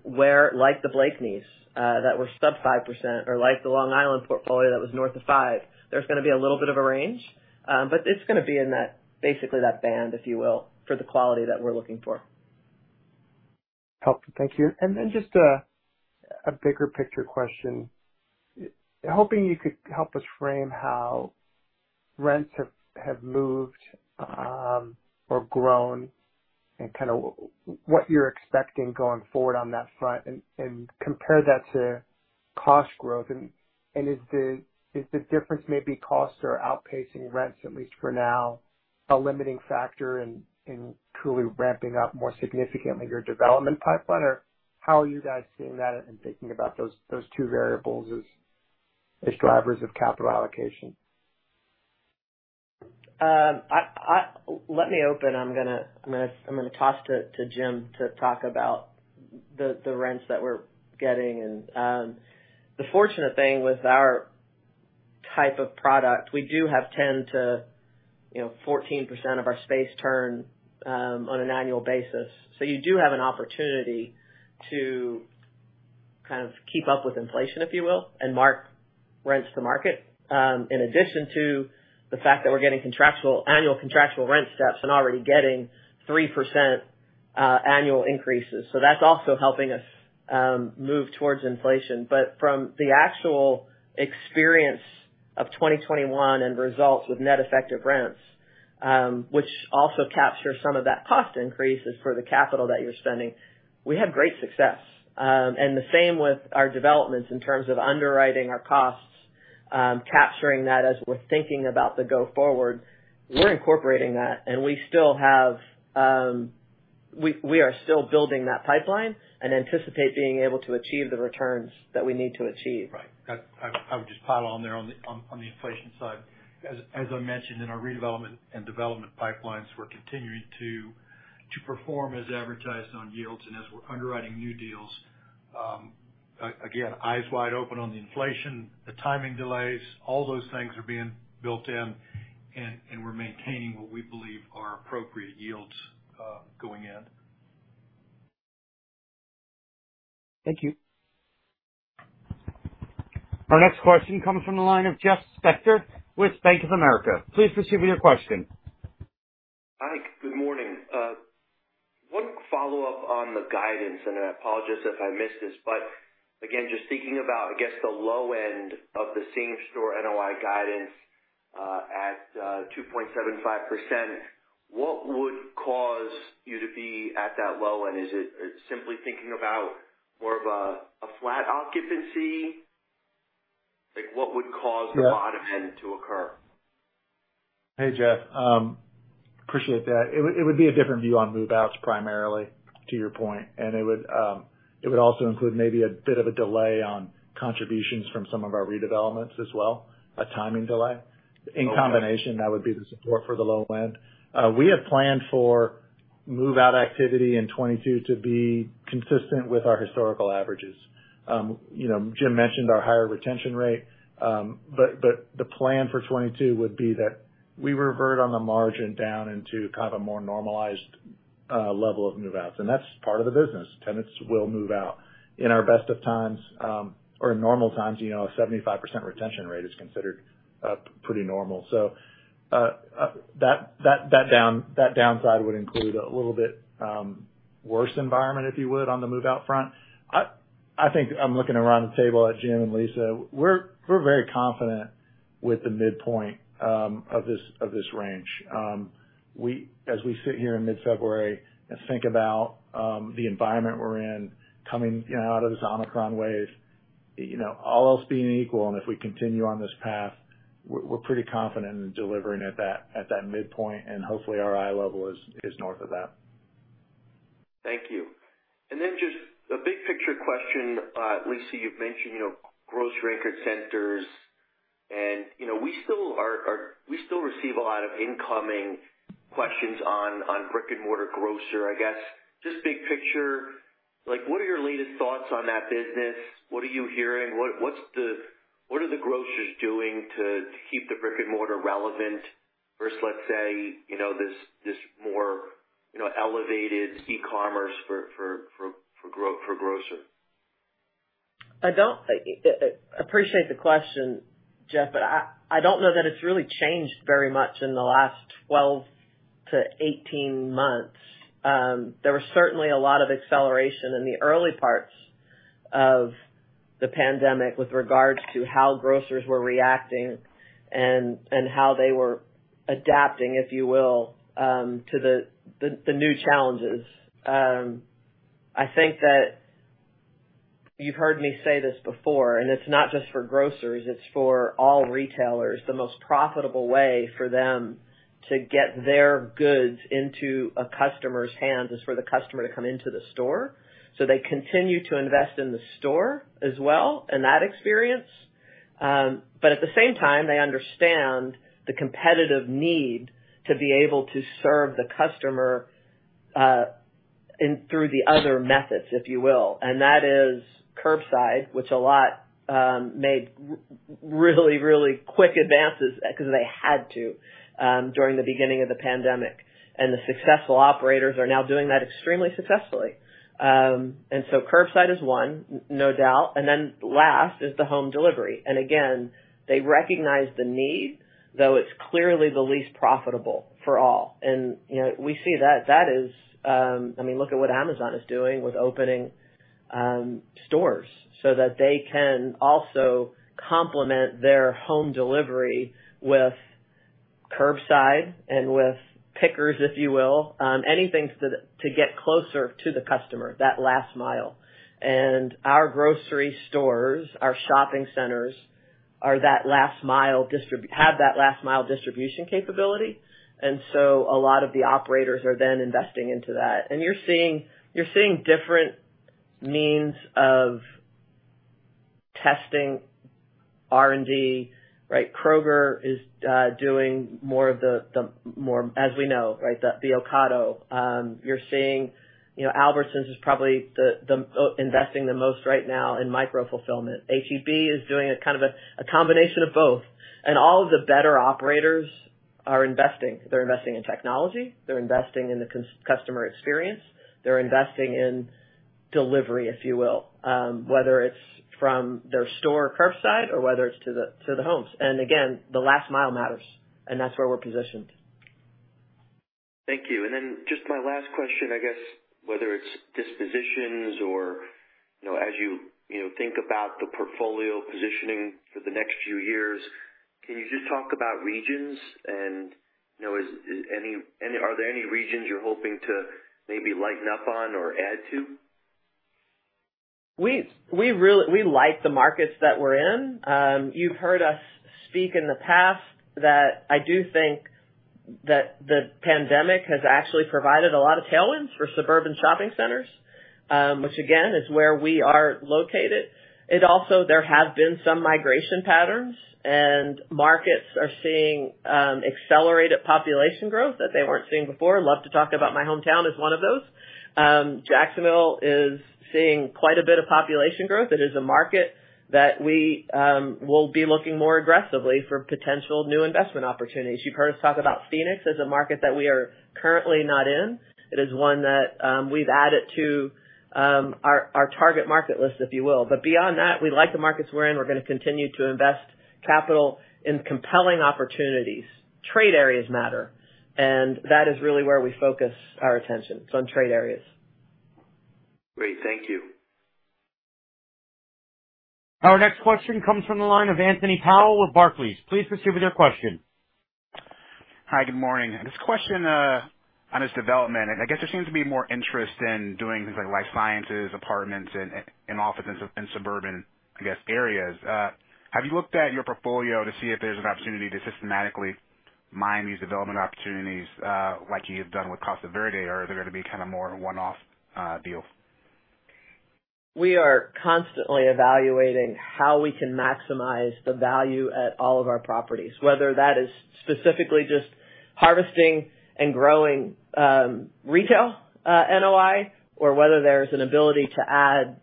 Where like the Blakeney's that were sub 5% or like the Long Island portfolio that was north of 5%, there's gonna be a little bit of a range, but it's gonna be in that, basically that band, if you will, for the quality that we're looking for. Helpful. Thank you. Then just a bigger picture question. Hoping you could help us frame how rents have moved or grown and kinda what you're expecting going forward on that front and compare that to cost growth. Is the difference maybe costs are outpacing rents, at least for now, a limiting factor in truly ramping up more significantly your development pipeline? Or how are you guys seeing that and thinking about those two variables as drivers of capital allocation? I'm gonna toss to Jim to talk about the rents that we're getting. The fortunate thing with our type of product, we do have 10%-14% of our space turn on an annual basis. You do have an opportunity to kind of keep up with inflation, if you will, and mark rents to market, in addition to the fact that we're getting annual contractual rent steps and already getting 3% annual increases. That's also helping us move towards inflation. From the actual experience of 2021 and results with net effective rents, which also captures some of that cost increases for the capital that you're spending, we have great success. The same with our developments in terms of underwriting our costs, capturing that as we're thinking about the go-forward. We're incorporating that, and we still have. We are still building that pipeline and anticipate being able to achieve the returns that we need to achieve. Right. I would just pile on there on the inflation side. As I mentioned in our redevelopment and development pipelines, we're continuing to perform as advertised on yields and as we're underwriting new deals, again, eyes wide open on the inflation, the timing delays, all those things are being built in, and we're maintaining what we believe are appropriate yields, going in. Thank you. Our next question comes from the line of Jeff Spector with Bank of America. Please proceed with your question. Hi, good morning. One follow-up on the guidance, and I apologize if I missed this, but again, just thinking about, I guess, the low end of the same-store NOI guidance at 2.75%, what would cause you to be at that low? Is it simply thinking about more of a flat occupancy? Like, what would cause- Yeah. the bottom end to occur? Hey, Jeff, appreciate that. It would be a different view on move-outs primarily to your point. It would also include maybe a bit of a delay on contributions from some of our redevelopments as well, a timing delay. Okay. In combination, that would be the support for the low end. We have planned for move-out activity in 2022 to be consistent with our historical averages. You know, Jim mentioned our higher retention rate. But the plan for 2022 would be that we revert on the margin down into kind of a more normalized level of move-outs, and that's part of the business. Tenants will move out. In our best of times or normal times, you know, a 75% retention rate is considered pretty normal. That downside would include a little bit worse environment, if you would, on the move-out front. I think I'm looking around the table at Jim and Lisa. We're very confident with the midpoint of this range. As we sit here in mid-February and think about the environment we're in coming, you know, out of this Omicron wave, you know, all else being equal, and if we continue on this path, we're pretty confident in delivering at that midpoint, and hopefully our eye level is north of that. Thank you. Then just a big picture question. Lisa, you've mentioned, you know, grocery anchored centers, and, you know, we still receive a lot of incoming questions on brick-and-mortar grocer. I guess just big picture, like, what are your latest thoughts on that business? What are you hearing? What are the grocers doing to keep the brick-and-mortar relevant versus, let's say, you know, this more elevated e-commerce for grocer? I don't appreciate the question, Jeff, but I don't know that it's really changed very much in the last 12-18 months. There was certainly a lot of acceleration in the early parts of the pandemic with regards to how grocers were reacting and how they were adapting, if you will, to the new challenges. I think that you've heard me say this before, and it's not just for grocers, it's for all retailers. The most profitable way for them to get their goods into a customer's hands is for the customer to come into the store. They continue to invest in the store as well, and that experience. At the same time, they understand the competitive need to be able to serve the customer through the other methods, if you will. That is curbside, which a lot made really quick advances because they had to during the beginning of the pandemic. The successful operators are now doing that extremely successfully. Curbside is one, no doubt. Then last is the home delivery. Again, they recognize the need, though it's clearly the least profitable for all. You know, we see that. I mean, look at what Amazon is doing with opening stores so that they can also complement their home delivery with curbside and with pickers, if you will, anything to get closer to the customer, that last mile. Our grocery stores, our shopping centers are that last mile. We have that last mile distribution capability. A lot of the operators are then investing into that. You're seeing different means of testing R&D, right? Kroger is doing more of the Ocado, as we know, right? You're seeing, you know, Albertsons is probably investing the most right now in micro-fulfillment. H-E-B is doing a kind of a combination of both. All of the better operators are investing. They're investing in technology. They're investing in the customer experience. They're investing in delivery, if you will, whether it's from their store curbside or whether it's to the homes. Again, the last mile matters, and that's where we're positioned. Thank you. Just my last question, I guess, whether it's dispositions or, you know, as you know, think about the portfolio positioning for the next few years, can you just talk about regions? You know, are there any regions you're hoping to maybe lighten up on or add to? We really like the markets that we're in. You've heard us speak in the past that I do think that the pandemic has actually provided a lot of tailwinds for suburban shopping centers, which again, is where we are located. There have been some migration patterns and markets are seeing accelerated population growth that they weren't seeing before. Love to talk about my hometown as one of those. Jacksonville is seeing quite a bit of population growth. It is a market that we will be looking more aggressively for potential new investment opportunities. You've heard us talk about Phoenix as a market that we are currently not in. It is one that we've added to our target market list, if you will. Beyond that, we like the markets we're in. We're gonna continue to invest capital in compelling opportunities. Trade areas matter, and that is really where we focus our attention is on trade areas. Great. Thank you. Our next question comes from the line of Anthony Powell with Barclays. Please proceed with your question. Hi, good morning. Just a question on this development, and I guess there seems to be more interest in doing things like life sciences, apartments and office in suburban areas. Have you looked at your portfolio to see if there's an opportunity to systematically mine these development opportunities, like you've done with Costa Verde, or are they gonna be kind of more one-off deal? We are constantly evaluating how we can maximize the value at all of our properties, whether that is specifically just harvesting and growing retail NOI, or whether there's an ability to add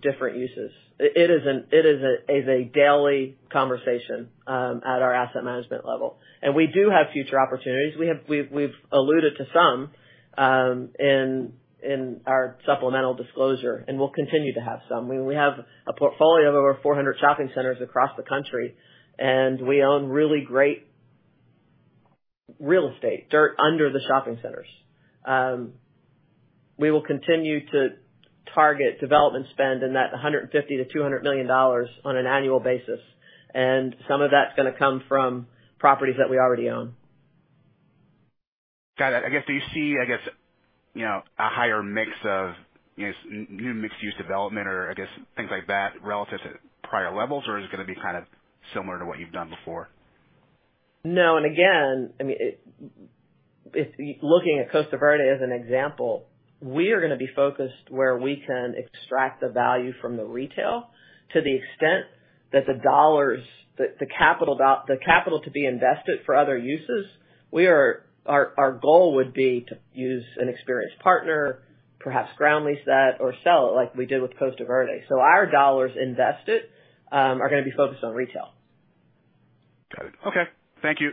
different uses. It is a daily conversation at our asset management level. We do have future opportunities. We have alluded to some in our supplemental disclosure, and we'll continue to have some. I mean, we have a portfolio of over 400 shopping centers across the country, and we own really great real estate, dirt under the shopping centers. We will continue to target development spend in that $150 million-$200 million on an annual basis, and some of that's gonna come from properties that we already own. Got it. I guess, do you see, I guess, you know, a higher mix of, you know, new mixed use development or I guess things like that relative to prior levels, or is it gonna be kind of similar to what you've done before? No, again, I mean it. If you're looking at Costa Verde as an example, we are gonna be focused where we can extract the value from the retail to the extent that the capital to be invested for other uses. Our goal would be to use an experienced partner, perhaps ground lease that or sell it like we did with Costa Verde. Our dollars invested are gonna be focused on retail. Got it. Okay. Thank you.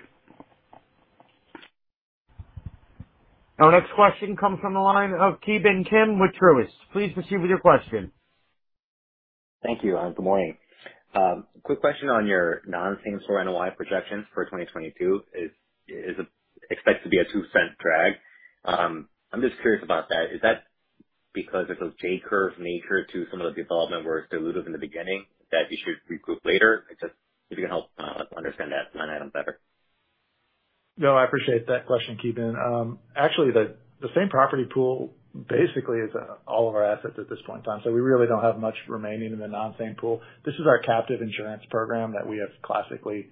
Our next question comes from the line of Ki Bin Kim with Truist. Please proceed with your question. Thank you, and good morning. Quick question on your non-same-store NOI projections for 2022. Is it expected to be a $0.02 drag? I'm just curious about that. Is that because of a J-curve nature to some of the development work diluted in the beginning that you should recoup later? Just if you can help understand that line item better. No, I appreciate that question, Ki Bin. Actually, the same property pool basically is all of our assets at this point in time, so we really don't have much remaining in the non-same pool. This is our captive insurance program that we have classically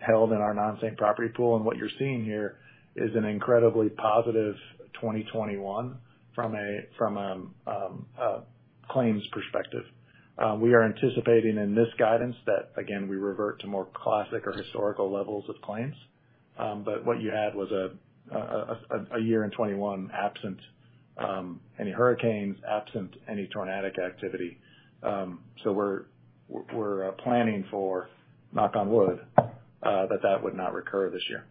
held in our non-same property pool, and what you're seeing here is an incredibly positive 2021 from a claims perspective. We are anticipating in this guidance that, again, we revert to more classic or historical levels of claims. What you had was a year in 2021, absent any hurricanes, absent any tornadic activity. We're planning for, knock on wood, that would not recur this year.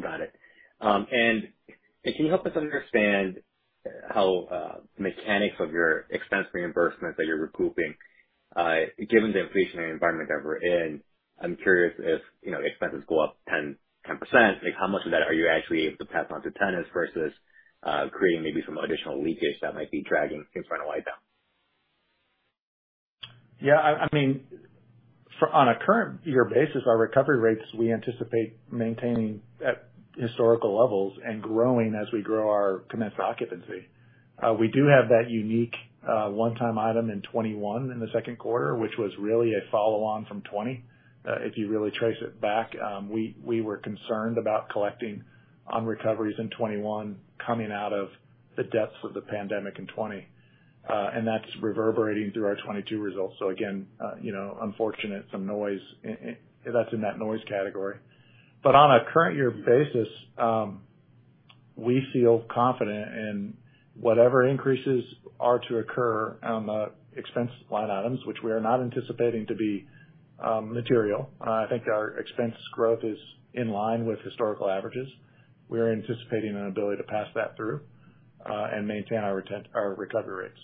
Got it. Can you help us understand how mechanics of your expense reimbursement that you're recouping given the inflation in the environment that we're in? I'm curious if, you know, expenses go up 10%, like how much of that are you actually able to pass on to tenants versus creating maybe some additional leakage that might be dragging same-store NOI down? Yeah, I mean, for on a current year basis, our recovery rates, we anticipate maintaining at historical levels and growing as we grow our commenced occupancy. We do have that unique, one-time item in 2021 in the second quarter, which was really a follow on from 2020. If you really trace it back, we were concerned about collecting on recoveries in 2021 coming out of the depths of the pandemic in 2020. That's reverberating through our 2022 results. Again, you know, unfortunate, some noise in that's in that noise category. On a current year basis, we feel confident in whatever increases are to occur on the expense line items, which we are not anticipating to be material. I think our expense growth is in line with historical averages. We are anticipating an ability to pass that through, and maintain our recovery rates.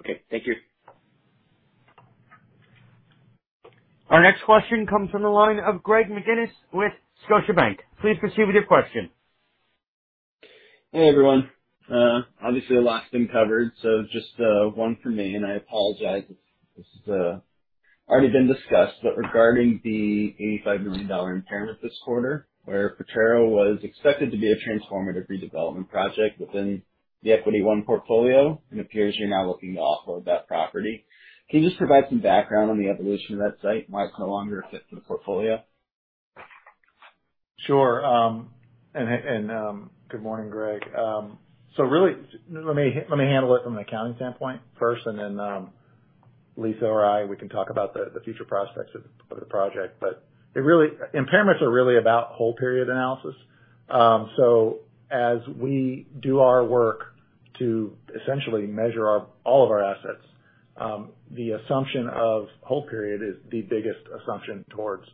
Okay. Thank you. Our next question comes from the line of Greg McGinniss with Scotiabank. Please proceed with your question. Hey, everyone. Obviously a lot's been covered, so just one from me, and I apologize if this has already been discussed, but regarding the $85 million impairment this quarter where Potrero was expected to be a transformative redevelopment project within the Equity One portfolio, it appears you're now looking to offload that property. Can you just provide some background on the evolution of that site and why it's no longer a fit for the portfolio? Sure. Good morning, Greg. Really, let me handle it from an accounting standpoint first, and then Lisa or I can talk about the future prospects of the project. Impairments are really about holding period analysis. As we do our work to essentially measure all of our assets, the assumption of holding period is the biggest assumption towards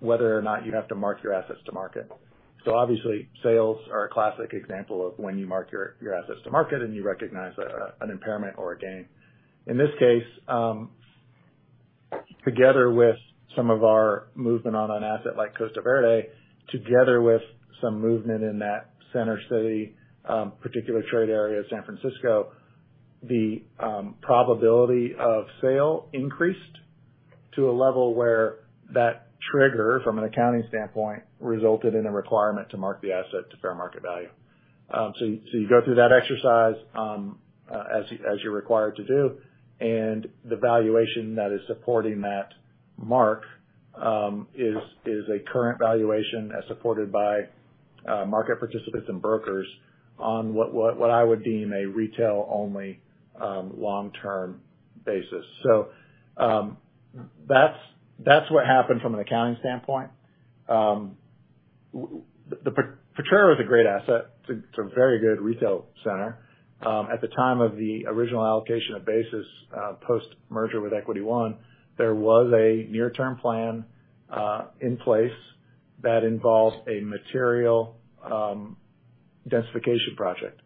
whether or not you have to mark your assets to market. Obviously, sales are a classic example of when you mark your assets to market and you recognize an impairment or a gain. In this case, together with some of our movement on an asset like Costa Verde, together with some movement in that center city, particular trade area, San Francisco, the probability of sale increased to a level where that trigger from an accounting standpoint resulted in a requirement to mark the asset to fair market value. You go through that exercise, as you're required to do, and the valuation that is supporting that mark is a current valuation as supported by market participants and brokers on what I would deem a retail-only long-term basis. That's what happened from an accounting standpoint. The Potrero is a great asset. It's a very good retail center. At the time of the original allocation of basis, post-merger with Equity One, there was a near-term plan in place that involved a material densification project.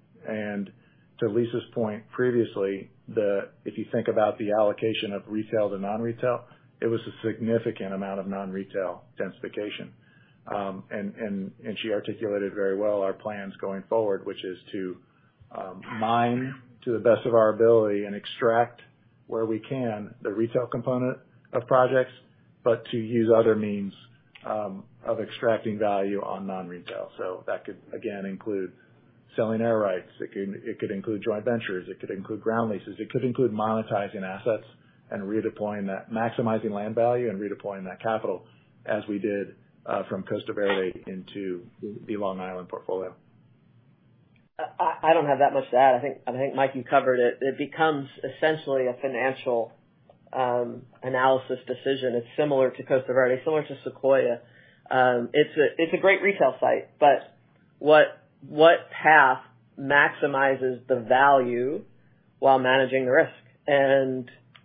To Lisa's point previously, if you think about the allocation of retail to non-retail, it was a significant amount of non-retail densification. She articulated very well our plans going forward, which is to mine to the best of our ability and extract where we can the retail component of projects, but to use other means of extracting value on non-retail. That could again include selling air rights. It could include joint ventures. It could include ground leases. It could include monetizing assets and redeploying that, maximizing land value and redeploying that capital as we did from Costa Verde into the Long Island portfolio. I don't have that much to add. I think Mike covered it. It becomes essentially a financial analysis decision. It's similar to Costa Verde, similar to Serramonte. It's a great retail site, but what path maximizes the value while managing the risk?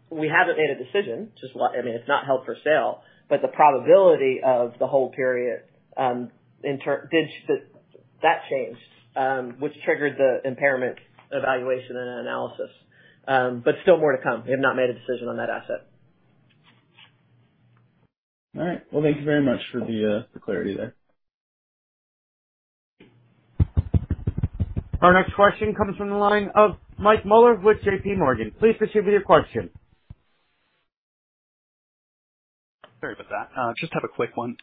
We haven't made a decision. I mean, it's not held for sale. The probability of the hold period that changed, which triggered the impairment evaluation and analysis. But still more to come. We have not made a decision on that asset. All right. Well, thank you very much for the clarity there. Our next question comes from the line of Michael Mueller with J.P. Morgan. Please proceed with your question. Sorry about that. Just have a quick one.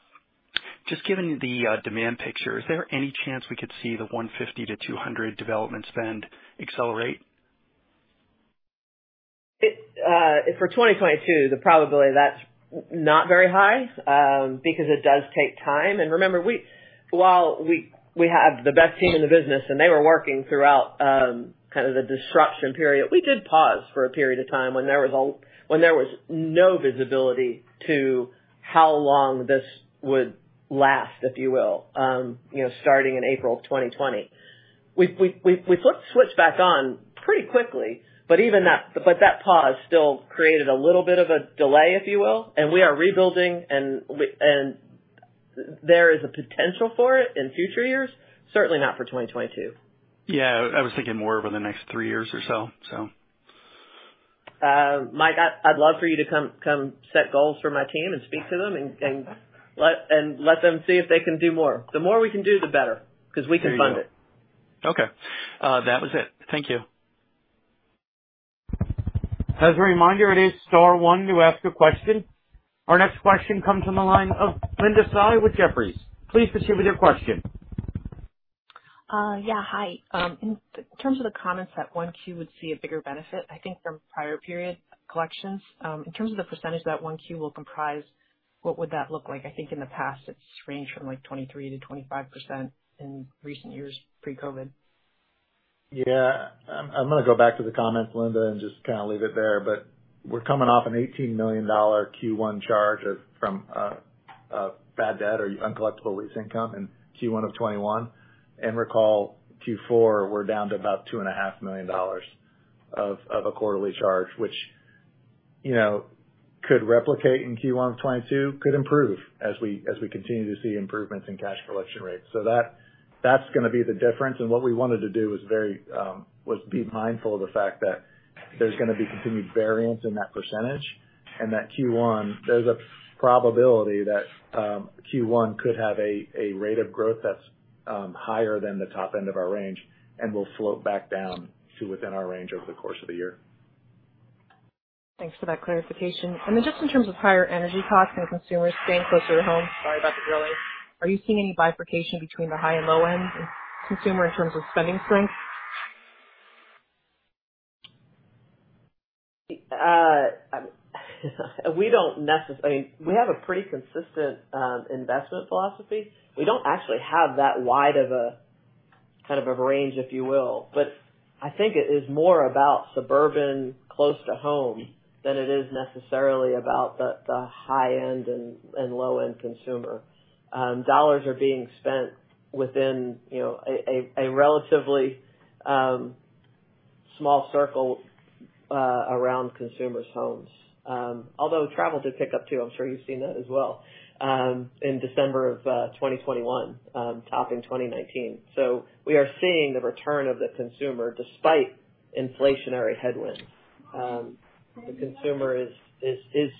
Just given the demand picture, is there any chance we could see the $150-$200 development spend accelerate? It for 2022, the probability of that's not very high, because it does take time. Remember, while we have the best team in the business, and they were working throughout kind of the disruption period, we did pause for a period of time when there was no visibility to how long this would last, if you will, you know, starting in April of 2020. We flipped the switch back on pretty quickly, but even that pause still created a little bit of a delay, if you will. We are rebuilding and there is a potential for it in future years, certainly not for 2022. Yeah, I was thinking more over the next three years or so. Mike, I'd love for you to come set goals for my team and speak to them and let them see if they can do more. The more we can do, the better, 'cause we can fund it. Okay. That was it. Thank you. As a reminder, it is star one to ask a question. Our next question comes from the line of Linda Tsai with Jefferies. Please proceed with your question. Yeah. Hi. In terms of the comments that 1Q would see a bigger benefit, I think from prior period collections. In terms of the percentage that 1Q will comprise, what would that look like? I think in the past, it's ranged from like 23%-25% in recent years, pre-COVID. Yeah. I'm gonna go back to the comments, Linda, and just kind of leave it there. We're coming off an $18 million Q1 charge from bad debt or uncollectible lease income in Q1 of 2021. Recall Q4, we're down to about $2.5 million of a quarterly charge, which you know could replicate in Q1 of 2022, could improve as we continue to see improvements in cash collection rates. That's gonna be the difference. What we wanted to do was be mindful of the fact that there's gonna be continued variance in that percentage, and that Q1, there's a probability that Q1 could have a rate of growth that's higher than the top end of our range and will float back down to within our range over the course of the year. Thanks for that clarification. Just in terms of higher energy costs and consumers staying closer to home, sorry about the drilling, are you seeing any bifurcation between the high and low end consumer in terms of spending strength? I mean, we have a pretty consistent investment philosophy. We don't actually have that wide of a kind of a range, if you will. I think it is more about suburban close to home than it is necessarily about the high end and low end consumer. Dollars are being spent within, you know, a relatively small circle around consumers' homes. Although travel did pick up too. I'm sure you've seen that as well in December of 2021, topping 2019. We are seeing the return of the consumer despite inflationary headwinds. The consumer is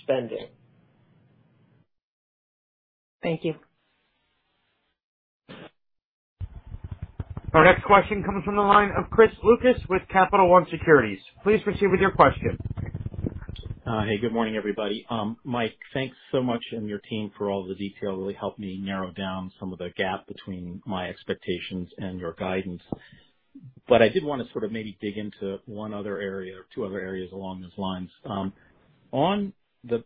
spending. Thank you. Our next question comes from the line of Chris Lucas with Capital One Securities. Please proceed with your question. Hey, good morning, everybody. Mike, thanks so much, and your team, for all the detail. It really helped me narrow down some of the gap between my expectations and your guidance. I did wanna sort of maybe dig into one other area or two other areas along those lines. On the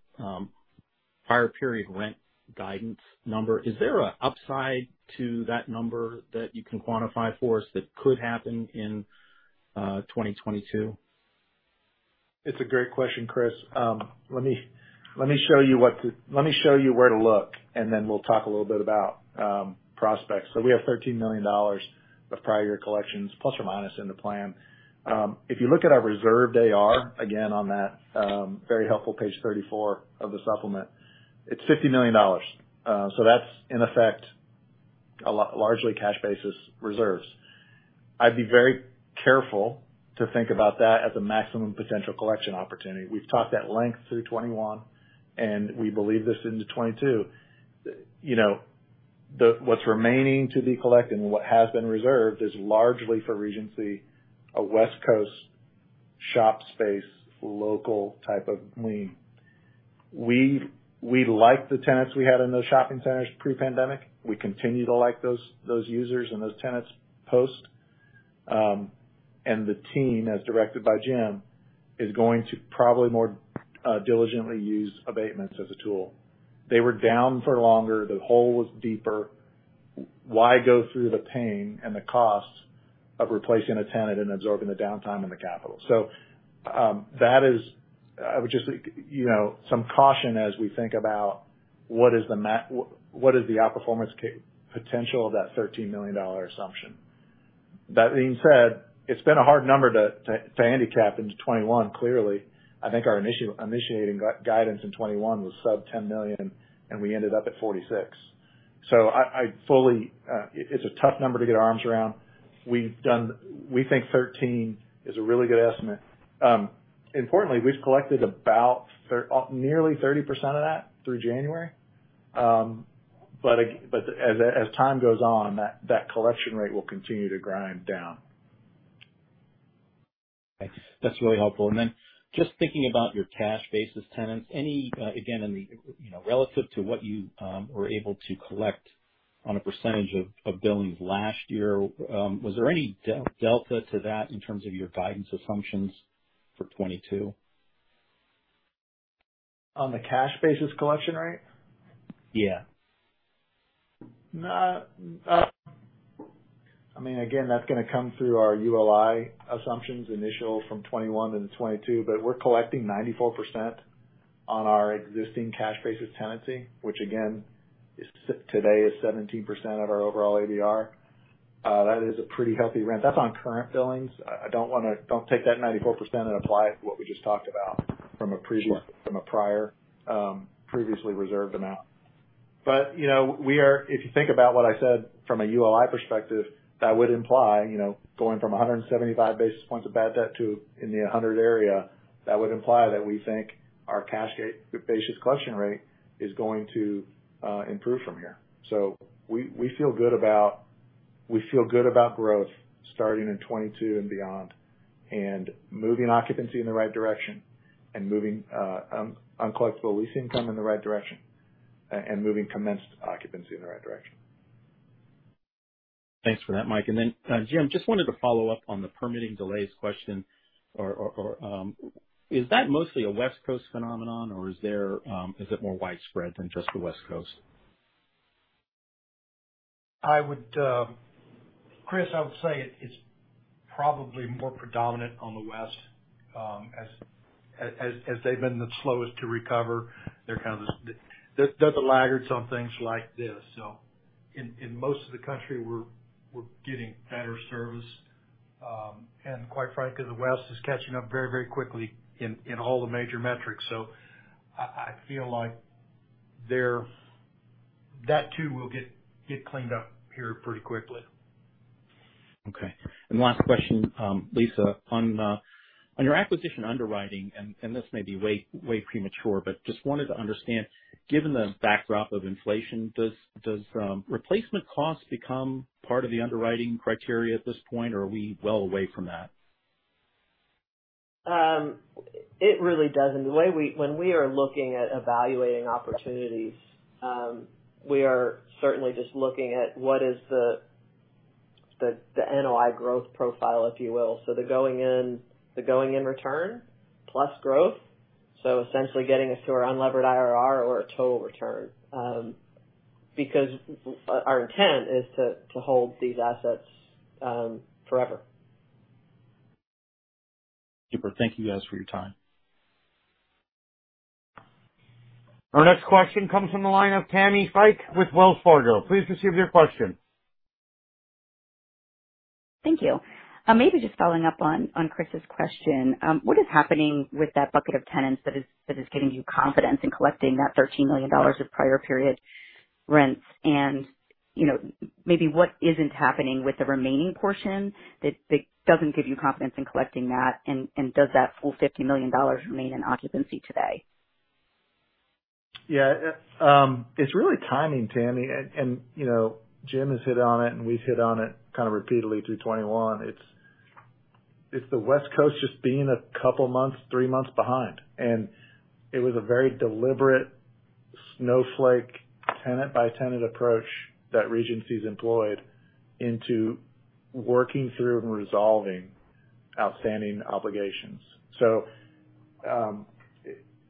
prior period rent guidance number, is there a upside to that number that you can quantify for us that could happen in 2022? It's a great question, Chris. Let me show you where to look, and then we'll talk a little bit about prospects. We have $13 million of prior year collections, ± in the plan. If you look at our reserved AR, again, on that very helpful page 34 of the supplement, it's $50 million. So that's, in effect, a largely cash basis reserves. I'd be very careful to think about that as a maximum potential collection opportunity. We've talked at length through 2021, and we believe this into 2022. You know, what's remaining to be collected and what has been reserved is largely for Regency, a West Coast shop space, local type of need. We liked the tenants we had in those shopping centers pre-pandemic. We continue to like those users and those tenants post. The team, as directed by Jim, is going to probably more diligently use abatements as a tool. They were down for longer, the hole was deeper. Why go through the pain and the cost of replacing a tenant and absorbing the downtime and the capital? That is, which is, you know, some caution as we think about what is the outperformance potential of that $13 million assumption. That being said, it's been a hard number to handicap into 2021. Clearly, I think our initiating guidance in 2021 was sub $10 million, and we ended up at 46. I fully, it's a tough number to get our arms around. We think 13 is a really good estimate. Importantly, we've collected about nearly 30% of that through January. As time goes on, that collection rate will continue to grind down. Thanks. That's really helpful. Just thinking about your cash basis tenants, again, you know, relative to what you were able to collect on a percentage of billings last year, was there any delta to that in terms of your guidance assumptions for 2022? On the cash basis collection rate? Yeah. I mean, again, that's gonna come through our ULI assumptions initial from 2021 into 2022, but we're collecting 94% on our existing cash basis tenancy, which again, is as of today 17% of our overall ADR. That is a pretty healthy rent. That's on current billings. I don't wanna. Don't take that 94% and apply it to what we just talked about from a pre- Sure. From a prior previously reserved amount. You know, if you think about what I said from a ULI perspective, that would imply, you know, going from 175 basis points of bad debt to in the 100 area, that would imply that we think our cash basis collection rate is going to improve from here. We feel good about growth starting in 2022 and beyond and moving occupancy in the right direction and moving uncollectible lease income in the right direction and moving commenced occupancy in the right direction. Thanks for that, Mike. Jim, just wanted to follow up on the permitting delays question. Or, is that mostly a West Coast phenomenon, or is it more widespread than just the West Coast? I would, Chris, I would say it's probably more predominant on the West, as they've been the slowest to recover. They're kind of the laggards on things like this. In most of the country, we're getting better service. Quite frankly, the West is catching up very, very quickly in all the major metrics. I feel like they're that too will get cleaned up here pretty quickly. Okay. Last question, Lisa, on your acquisition underwriting, and this may be way premature, but just wanted to understand, given the backdrop of inflation, does replacement cost become part of the underwriting criteria at this point, or are we well away from that? It really doesn't. When we are looking at evaluating opportunities, we are certainly just looking at what is the NOI growth profile, if you will. The going in return plus growth. Essentially getting us to our unlevered IRR or a total return, because our intent is to hold these assets forever. Super. Thank you guys for your time. Our next question comes from the line of Tammi Fique with Wells Fargo. Please proceed with your question. Thank you. Maybe just following up on Chris's question, what is happening with that bucket of tenants that is giving you confidence in collecting that $13 million of prior period rents? You know, maybe what isn't happening with the remaining portion that doesn't give you confidence in collecting that, and does that full $50 million remain in occupancy today? Yeah. It's really timing, Tammi. You know, Jim has hit on it, and we've hit on it kind of repeatedly through 2021. It's the West Coast just being a couple months, three months behind. It was a very deliberate snowflake tenant by tenant approach that Regency's employed into working through and resolving outstanding obligations.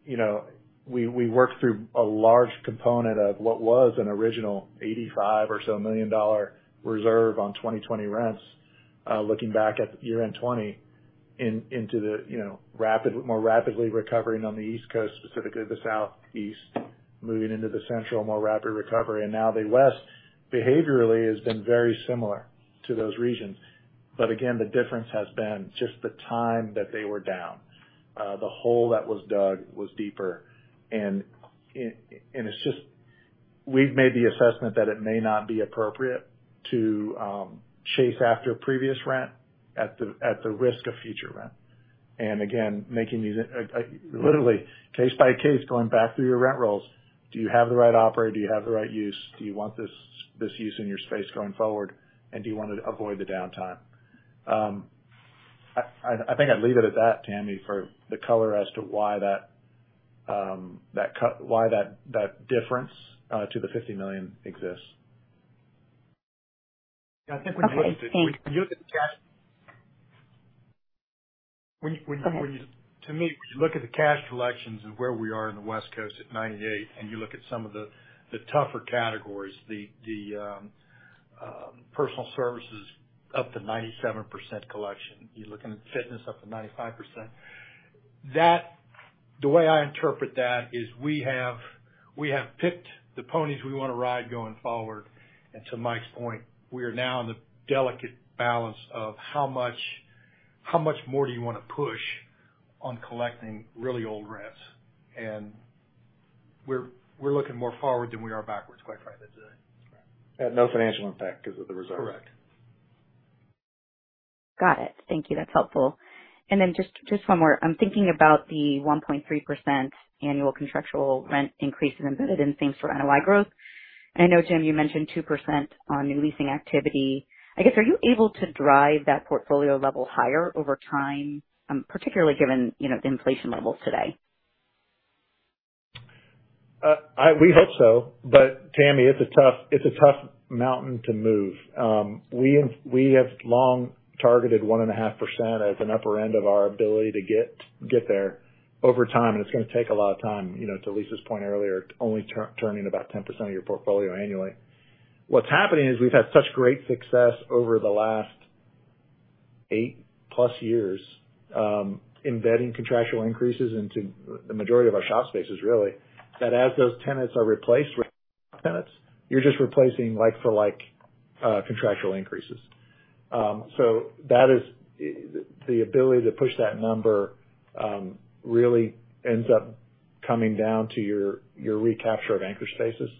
You know, we worked through a large component of what was an original $85 million or so reserve on 2020 rents, looking back at year-end 2020 into the more rapidly recovering on the East Coast, specifically the Southeast, moving into the Central, more rapid recovery. Now the West behaviorally has been very similar to those regions. Again, the difference has been just the time that they were down. The hole that was dug was deeper. It's just we've made the assessment that it may not be appropriate to chase after previous rent at the risk of future rent. Again, making these literally case by case, going back through your rent rolls. Do you have the right operator? Do you have the right use? Do you want this use in your space going forward? Do you want to avoid the downtime? I think I'd leave it at that, Tammy, for the color as to why that difference to the $50 million exists. Okay. Thank you. I think when you look at the cash collections and where we are in the West Coast at 98%, and you look at some of the tougher categories, the personal services up to 97% collection. You're looking at fitness up to 95%. The way I interpret that is we have picked the ponies we wanna ride going forward. To Mike's point, we are now in the delicate balance of how much more do you wanna push on collecting really old rents? We're looking more forward than we are backwards, quite frankly, today. At no financial impact because of the reserve. Correct. Got it. Thank you. That's helpful. Just one more. I'm thinking about the 1.3% annual contractual rent increases embedded in things for NOI growth. I know, Jim, you mentioned 2% on new leasing activity. I guess, are you able to drive that portfolio level higher over time, particularly given, you know, the inflation levels today? We hope so. Tammi, it's a tough mountain to move. We have long targeted 1.5% as an upper end of our ability to get there over time, and it's gonna take a lot of time. You know, to Lisa's point earlier, only turning about 10% of your portfolio annually. What's happening is we've had such great success over the last 8+ years, embedding contractual increases into the majority of our shop spaces really, that as those tenants are replaced with tenants, you're just replacing like for like, contractual increases. So that is the ability to push that number, really ends up coming down to your recapture of anchor spaces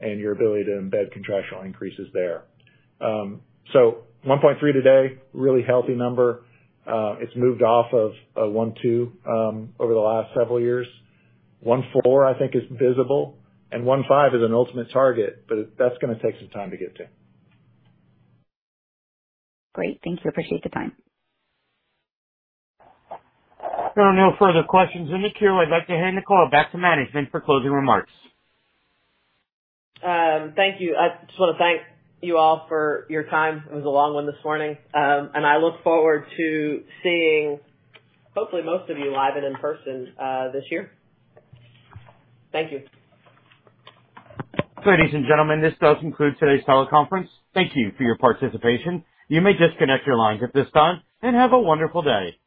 and your ability to embed contractual increases there. So 1.3% today, really healthy number. It's moved off of 1.2 over the last several years. 1.4 I think is visible, and 1.5 is an ultimate target, but that's gonna take some time to get to. Great. Thank you. I appreciate the time. There are no further questions in the queue. I'd like to hand the call back to management for closing remarks. Thank you. I just want to thank you all for your time. It was a long one this morning, and I look forward to seeing hopefully most of you live and in person, this year. Thank you. Ladies and gentlemen, this does conclude today's teleconference. Thank you for your participation. You may disconnect your lines at this time and have a wonderful day.